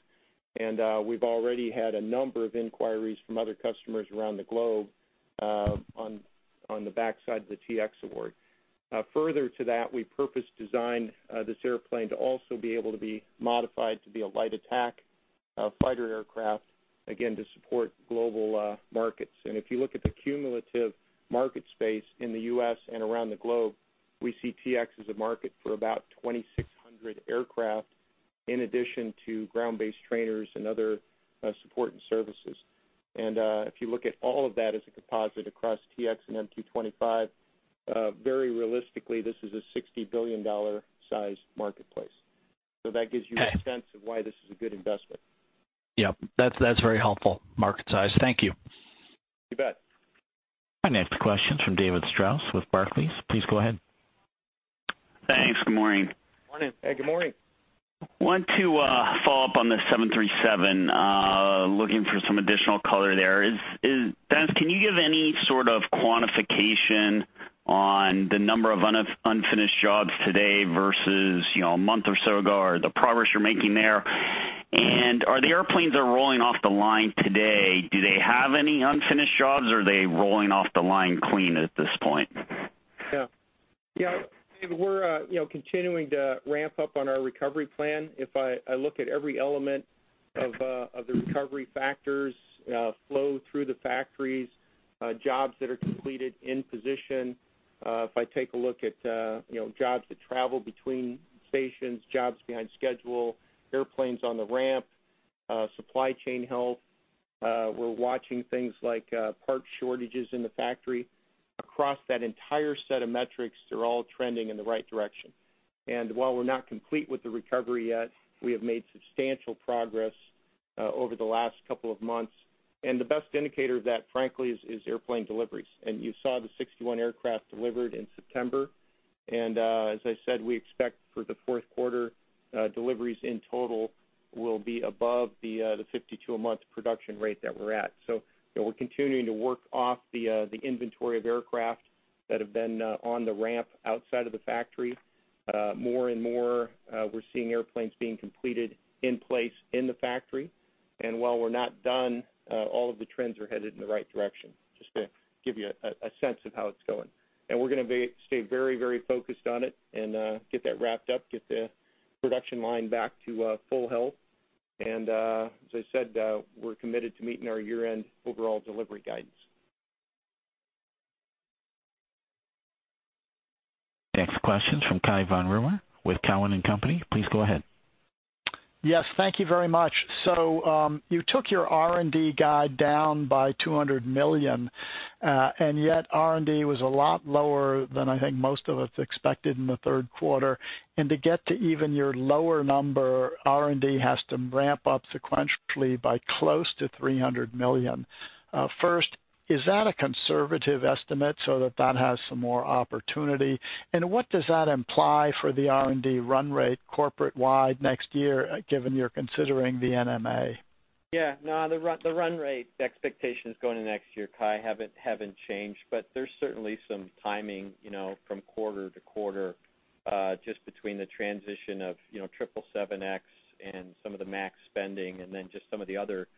We've already had a number of inquiries from other customers around the globe on the backside of the T-X award. Further to that, we purpose-designed this airplane to also be able to be modified to be a light attack fighter aircraft, again, to support global markets. If you look at the cumulative market space in the U.S. and around the globe, we see T-X as a market for about 2,600 aircraft, in addition to ground-based trainers and other support and services. If you look at all of that as a composite across T-X and MQ-25, very realistically, this is a $60 billion size marketplace. That gives you a sense of why this is a good investment. Yeah. That's very helpful. Market size. Thank you. You bet. Our next question's from David Strauss with Barclays. Please go ahead. Thanks. Good morning. Morning. Hey, good morning. Wanted to follow up on the 737, looking for some additional color there. Dennis, can you give any sort of quantification on the number of unfinished jobs today versus a month or so ago, or the progress you're making there? Are the airplanes that are rolling off the line today, do they have any unfinished jobs? Are they rolling off the line clean at this point? Yeah, Dave, we're continuing to ramp up on our recovery plan. If I look at every element of the recovery factors, flow through the factories, jobs that are completed in position, if I take a look at jobs that travel between stations, jobs behind schedule, airplanes on the ramp, supply chain health, we're watching things like part shortages in the factory. Across that entire set of metrics, they're all trending in the right direction. While we're not complete with the recovery yet, we have made substantial progress over the last couple of months. The best indicator of that, frankly, is airplane deliveries. You saw the 61 aircraft delivered in September. As I said, we expect for the fourth quarter, deliveries in total will be above the 52 a month production rate that we're at. We're continuing to work off the inventory of aircraft that have been on the ramp outside of the factory. More and more, we're seeing airplanes being completed in place in the factory. While we're not done, all of the trends are headed in the right direction. Just to give you a sense of how it's going. We're going to stay very focused on it and get that wrapped up, get the production line back to full health. As I said, we're committed to meeting our year-end overall delivery guidance. Next question's from Cai von Rumohr with Cowen and Company. Please go ahead. Yes, thank you very much. You took your R&D guide down by $200 million, yet R&D was a lot lower than I think most of us expected in the third quarter. To get to even your lower number, R&D has to ramp up sequentially by close to $300 million. First, is that a conservative estimate so that that has some more opportunity? What does that imply for the R&D run rate corporate-wide next year, given you're considering the NMA? Yeah. No, the run rate expectations going into next year, Cai, haven't changed. There's certainly some timing from quarter to quarter, just between the transition of 777X and some of the MAX spending, and then just some of the other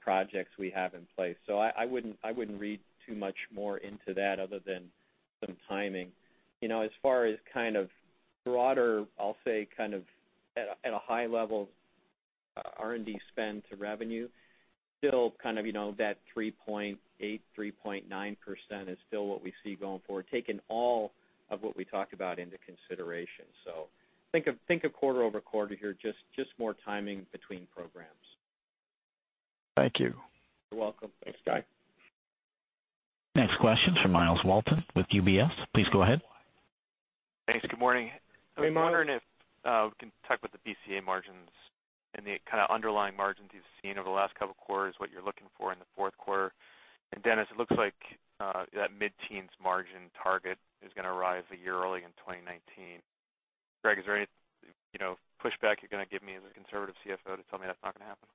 projects we have in place. I wouldn't read too much more into that other than some timing. As far as kind of broader, I'll say kind of at a high level R&D spend to revenue, still kind of that 3.8%, 3.9% is still what we see going forward, taking all of what we talked about into consideration. Think of quarter-over-quarter here, just more timing between programs. Thank you. You're welcome. Thanks, Cai. Next question's from Myles Walton with UBS. Please go ahead. Thanks. Good morning. Good morning. I'm wondering if we can talk about the BCA margins and the kind of underlying margins you've seen over the last couple of quarters, what you're looking for in the fourth quarter. Dennis, it looks like that mid-teens margin target is going to arrive a year early in 2019. Greg, is there any pushback you're going to give me as a conservative CFO to tell me that's not going to happen.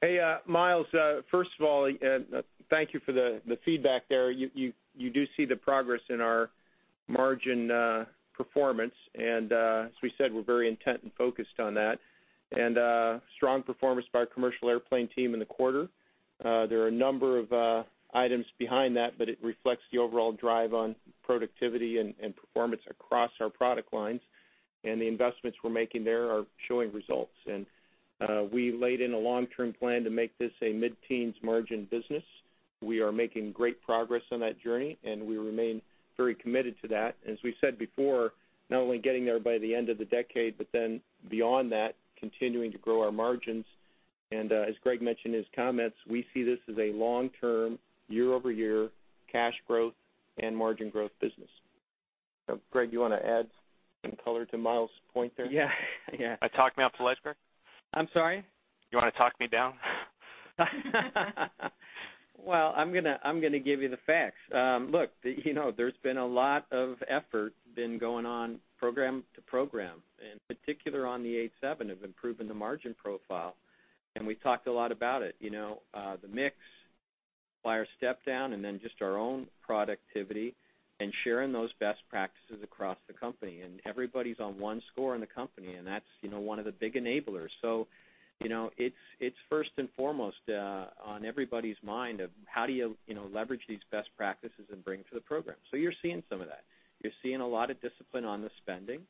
Hey, Myles, first of all, thank you for the feedback there. You do see the progress in our margin performance, as we said, we're very intent and focused on that. Strong performance by our commercial airplane team in the quarter. There are a number of items behind that, but it reflects the overall drive on productivity and performance across our product lines, and the investments we're making there are showing results. We laid in a long-term plan to make this a mid-teens margin business. We are making great progress on that journey, and we remain very committed to that. As we said before, not only getting there by the end of the decade, but then beyond that, continuing to grow our margins. As Greg mentioned in his comments, we see this as a long-term, year-over-year, cash growth, and margin growth business. Greg, you want to add some color to Myles' point there? Yeah. Yeah. Talk me up to the light, Greg. I'm sorry? You want to talk me down? Well, I'm going to give you the facts. Look, there's been a lot of effort been going on program to program, in particular on the 787, of improving the margin profile, and we talked a lot about it. The mix, buyer step down, and then just our own productivity, and sharing those best practices across the company. Everybody's on one score in the company, and that's one of the big enablers. It's first and foremost on everybody's mind of how do you leverage these best practices and bring to the program. You're seeing some of that. You're seeing a lot of discipline on the spending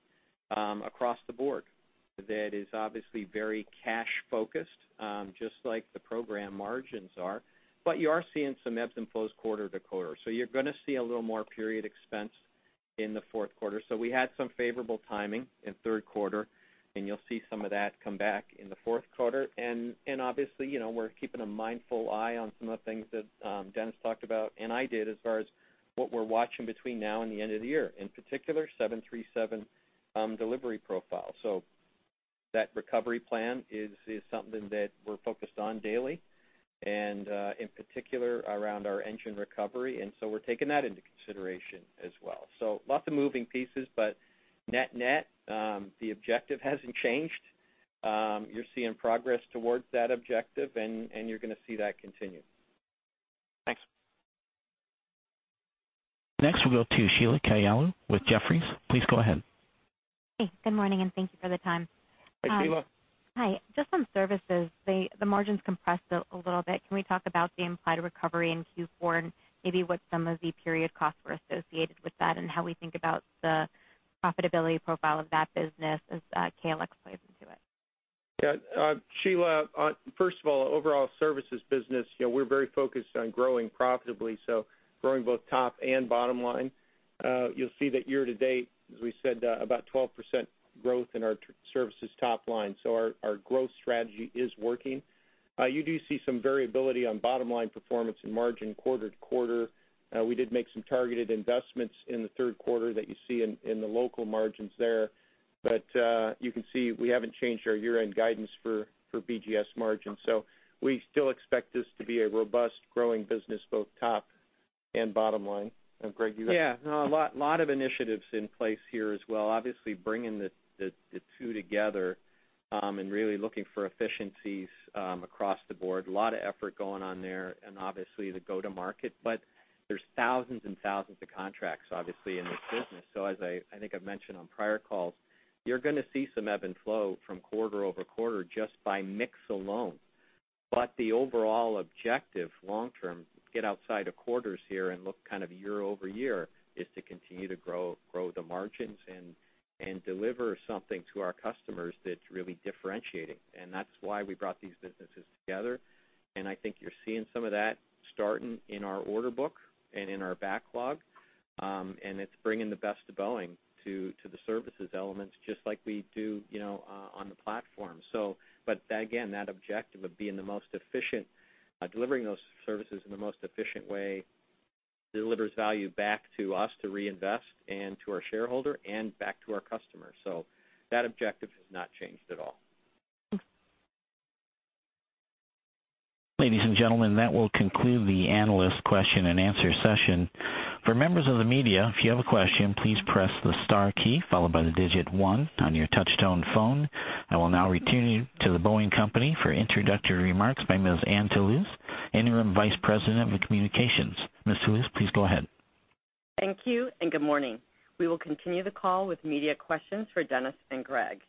across the board that is obviously very cash focused, just like the program margins are. You are seeing some ebbs and flows quarter-to-quarter. You're going to see a little more period expense in the fourth quarter. We had some favorable timing in third quarter, and you'll see some of that come back in the fourth quarter. Obviously, we're keeping a mindful eye on some of the things that Dennis talked about, and I did, as far as what we're watching between now and the end of the year. In particular, 737 delivery profile. That recovery plan is something that we're focused on daily, and in particular, around our engine recovery, and so we're taking that into consideration as well. Lots of moving pieces, but net net, the objective hasn't changed. You're seeing progress towards that objective, and you're going to see that continue. Thanks. Next, we'll go to Sheila Kahyaoglu with Jefferies. Please go ahead. Hey, good morning, and thank you for the time. Hi, Sheila. Hi. Just on services, the margins compressed a little bit. Can we talk about the implied recovery in Q4, and maybe what some of the period costs were associated with that, and how we think about the profitability profile of that business as KLX plays into it? Yeah. Sheila, first of all, overall services business, we're very focused on growing profitably, so growing both top and bottom line. You'll see that year to date, as we said, about 12% growth in our services top line. Our growth strategy is working. You do see some variability on bottom line performance and margin quarter to quarter. We did make some targeted investments in the third quarter that you see in the local margins there. You can see we haven't changed our year-end guidance for BGS margins. We still expect this to be a robust growing business, both top and bottom line. Greg, you got-- Yeah. No, a lot of initiatives in place here as well. Obviously, bringing the two together, and really looking for efficiencies across the board, a lot of effort going on there, and obviously the go to market. There's thousands and thousands of contracts, obviously, in this business. As I think I've mentioned on prior calls, you're going to see some ebb and flow from quarter-over-quarter just by mix alone. The overall objective long-term, get outside of quarters here and look kind of year-over-year, is to continue to grow the margins and deliver something to our customers that's really differentiating, and that's why we brought these businesses together. I think you're seeing some of that starting in our order book and in our backlog. It's bringing the best of Boeing to the services elements just like we do on the platform. Again, that objective of being the most efficient, delivering those services in the most efficient way, delivers value back to us to reinvest, and to our shareholder, and back to our customers. That objective has not changed at all. Thanks. Ladies and gentlemen, that will conclude the analyst question and answer session. For members of the media, if you have a question, please press the star key followed by the digit 1 on your touch-tone phone. I will now return you to The Boeing Company for introductory remarks by Ms. Anne Toulouse, Interim Senior Vice President of Communications. Ms. Toulouse, please go ahead. Thank you. Good morning. We will continue the call with media questions for Dennis and Greg.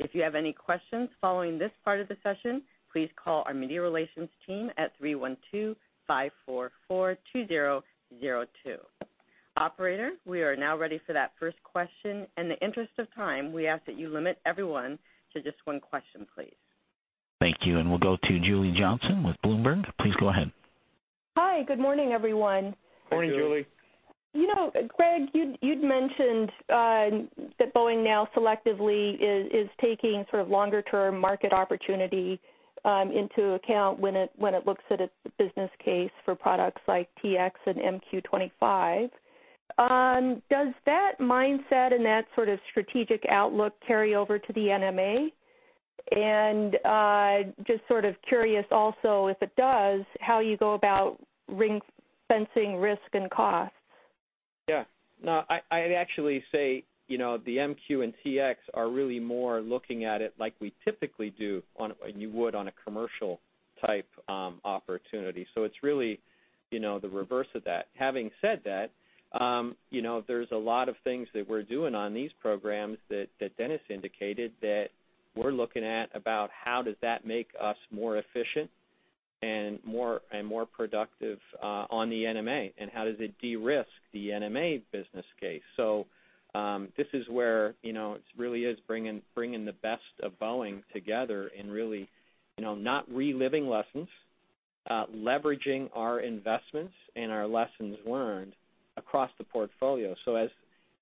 If you have any questions following this part of the session, please call our media relations team at 312-544-2002. Operator, we are now ready for that first question. In the interest of time, we ask that you limit everyone to just one question, please. Thank you. We'll go to Julie Johnsson with Bloomberg. Please go ahead. Hi. Good morning, everyone. Morning, Julie. Greg, you'd mentioned that Boeing now selectively is taking sort of longer term market opportunity into account when it looks at its business case for products like T-X and MQ-25. Does that mindset and that sort of strategic outlook carry over to the NMA? Just sort of curious also, if it does, how you go about ring-fencing risk and cost. Yeah. No, I'd actually say, the MQ and T-X are really more looking at it like we typically do on, and you would, on a commercial type opportunity. It's really the reverse of that. Having said that, there's a lot of things that we're doing on these programs that Dennis indicated, that we're looking at about how does that make us more efficient and more productive, on the NMA, and how does it de-risk the NMA business case. This is where, it really is bringing the best of Boeing together and really not reliving lessons, leveraging our investments and our lessons learned across the portfolio. As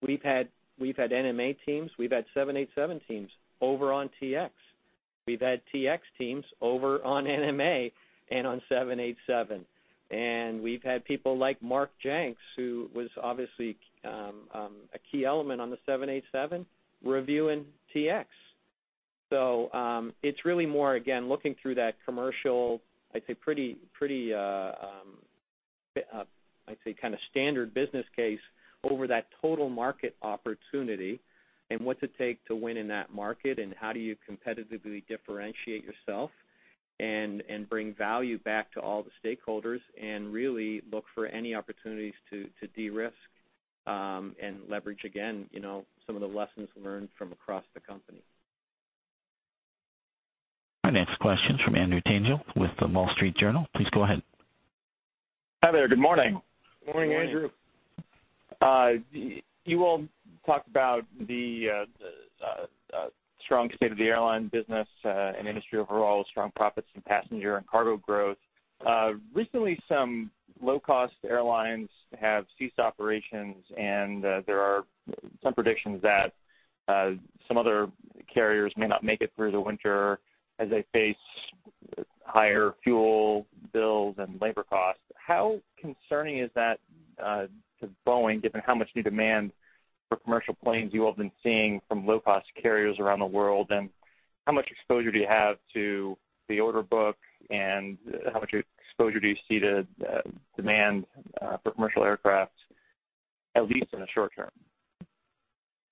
we've had NMA teams, we've had 787 teams over on T-X. We've had T-X teams over on NMA and on 787. We've had people like Mark Jenks, who was obviously, a key element on the 787 reviewing T-X. It's really more, again, looking through that commercial, I'd say pretty, kind of, standard business case over that total market opportunity and what's it take to win in that market, and how do you competitively differentiate yourself and bring value back to all the stakeholders and really look for any opportunities to de-risk, and leverage again, some of the lessons learned from across the company. Our next question's from Andrew Tangel with The Wall Street Journal. Please go ahead. Hi there. Good morning. Morning, Andrew. You all talked about the strong state of the airline business, and industry overall, strong profits and passenger and cargo growth. Recently, some low-cost airlines have ceased operations, and there are some predictions that some other carriers may not make it through the winter as they face higher fuel bills and labor costs. How concerning is that, to Boeing, given how much new demand for commercial planes you all have been seeing from low-cost carriers around the world, and how much exposure do you have to the order book and how much exposure do you see to demand for commercial aircraft, at least in the short term?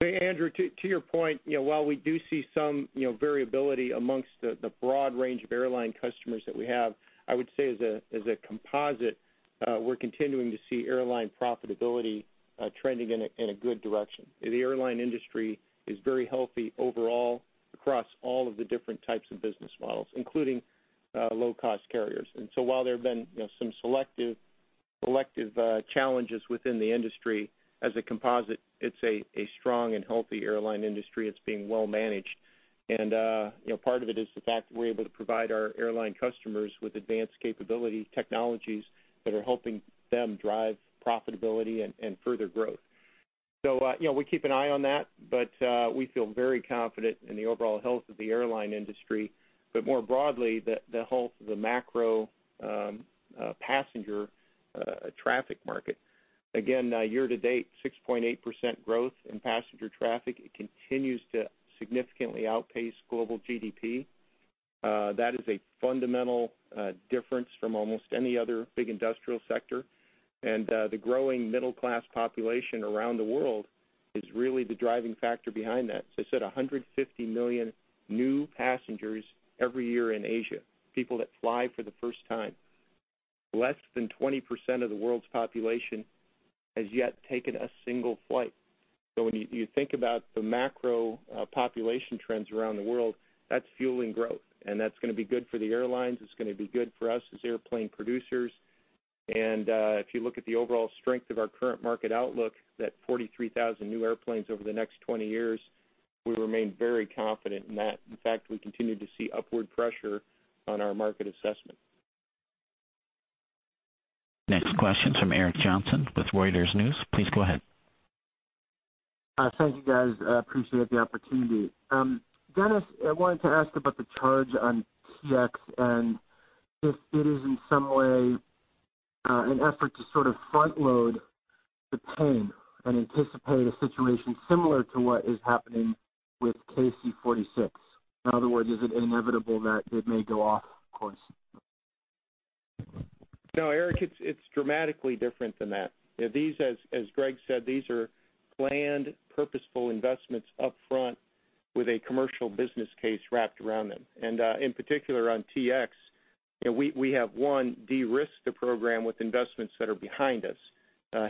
Hey, Andrew, to your point, while we do see some variability amongst the broad range of airline customers that we have, I would say as a composite, we're continuing to see airline profitability trending in a good direction. The airline industry is very healthy overall across all of the different types of business models, including low-cost carriers. While there have been some selective challenges within the industry, as a composite, it's a strong and healthy airline industry. It's being well managed. Part of it is the fact that we're able to provide our airline customers with advanced capability technologies that are helping them drive profitability and further growth. We keep an eye on that, but we feel very confident in the overall health of the airline industry, but more broadly, the health of the macro passenger traffic market. Again, year to date, 6.8% growth in passenger traffic. It continues to significantly outpace global GDP. That is a fundamental difference from almost any other big industrial sector. The growing middle class population around the world is really the driving factor behind that. As I said, 150 million new passengers every year in Asia, people that fly for the first time. Less than 20% of the world's population has yet taken a single flight. When you think about the macro population trends around the world, that's fueling growth, and that's going to be good for the airlines. It's going to be good for us as airplane producers. If you look at the overall strength of our current market outlook, that 43,000 new airplanes over the next 20 years, we remain very confident in that. In fact, we continue to see upward pressure on our market assessment. Next question's from Eric Johnson with Reuters News. Please go ahead. Thank you, guys. I appreciate the opportunity. Dennis, I wanted to ask about the charge on T-X and if it is in some way an effort to sort of front load the pain and anticipate a situation similar to what is happening with KC-46. In other words, is it inevitable that it may go off course? No, Eric, it's dramatically different than that. As Greg said, these are planned, purposeful investments upfront with a commercial business case wrapped around them. In particular on T-X, we have one, de-risked the program with investments that are behind us,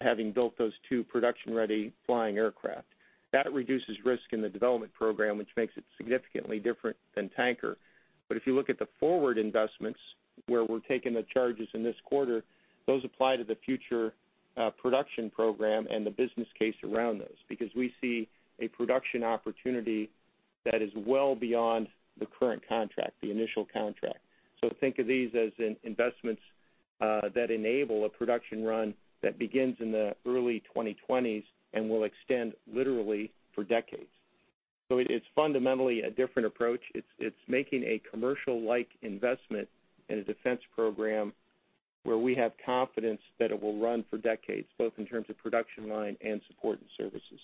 having built those two production-ready flying aircraft. That reduces risk in the development program, which makes it significantly different than Tanker. If you look at the forward investments where we're taking the charges in this quarter, those apply to the future production program and the business case around those. We see a production opportunity that is well beyond the current contract, the initial contract. Think of these as investments that enable a production run that begins in the early 2020s and will extend literally for decades. It's fundamentally a different approach. It's making a commercial-like investment in a defense program Where we have confidence that it will run for decades, both in terms of production line and support and services.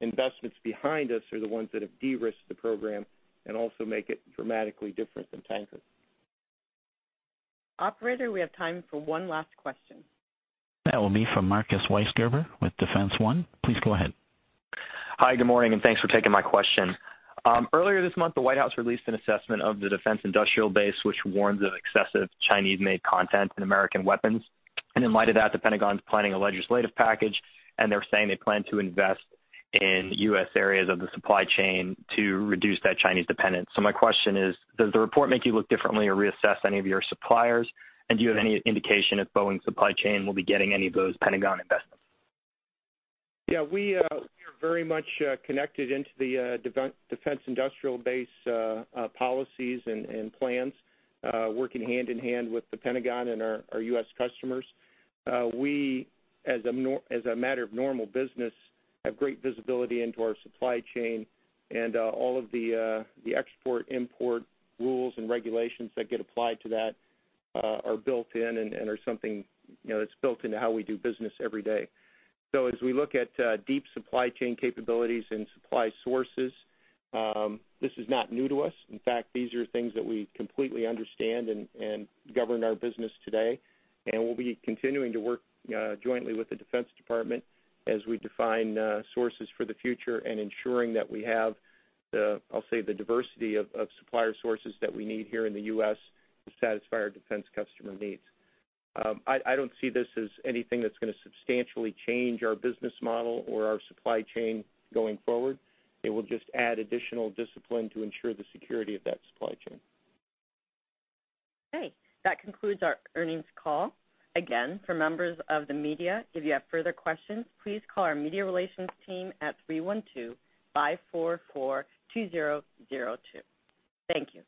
Investments behind us are the ones that have de-risked the program and also make it dramatically different than Tanker. Operator, we have time for one last question. That will be from Marcus Weisgerber with Defense One. Please go ahead. Hi, good morning, and thanks for taking my question. Earlier this month, the White House released an assessment of the defense industrial base, which warns of excessive Chinese-made content in American weapons. In light of that, the Pentagon's planning a legislative package, and they're saying they plan to invest in U.S. areas of the supply chain to reduce that Chinese dependence. My question is, does the report make you look differently or reassess any of your suppliers? Do you have any indication if Boeing's supply chain will be getting any of those Pentagon investments? Yeah, we are very much connected into the defense industrial base policies and plans, working hand-in-hand with the Pentagon and our U.S. customers. We, as a matter of normal business, have great visibility into our supply chain and all of the export-import rules and regulations that get applied to that are built in and are something that's built into how we do business every day. As we look at deep supply chain capabilities and supply sources, this is not new to us. In fact, these are things that we completely understand and govern our business today. We'll be continuing to work jointly with the Defense Department as we define sources for the future and ensuring that we have the, I'll say, the diversity of supplier sources that we need here in the U.S. to satisfy our defense customer needs. I don't see this as anything that's going to substantially change our business model or our supply chain going forward. It will just add additional discipline to ensure the security of that supply chain. Okay. That concludes our earnings call. Again, for members of the media, if you have further questions, please call our media relations team at 312-544-2002. Thank you.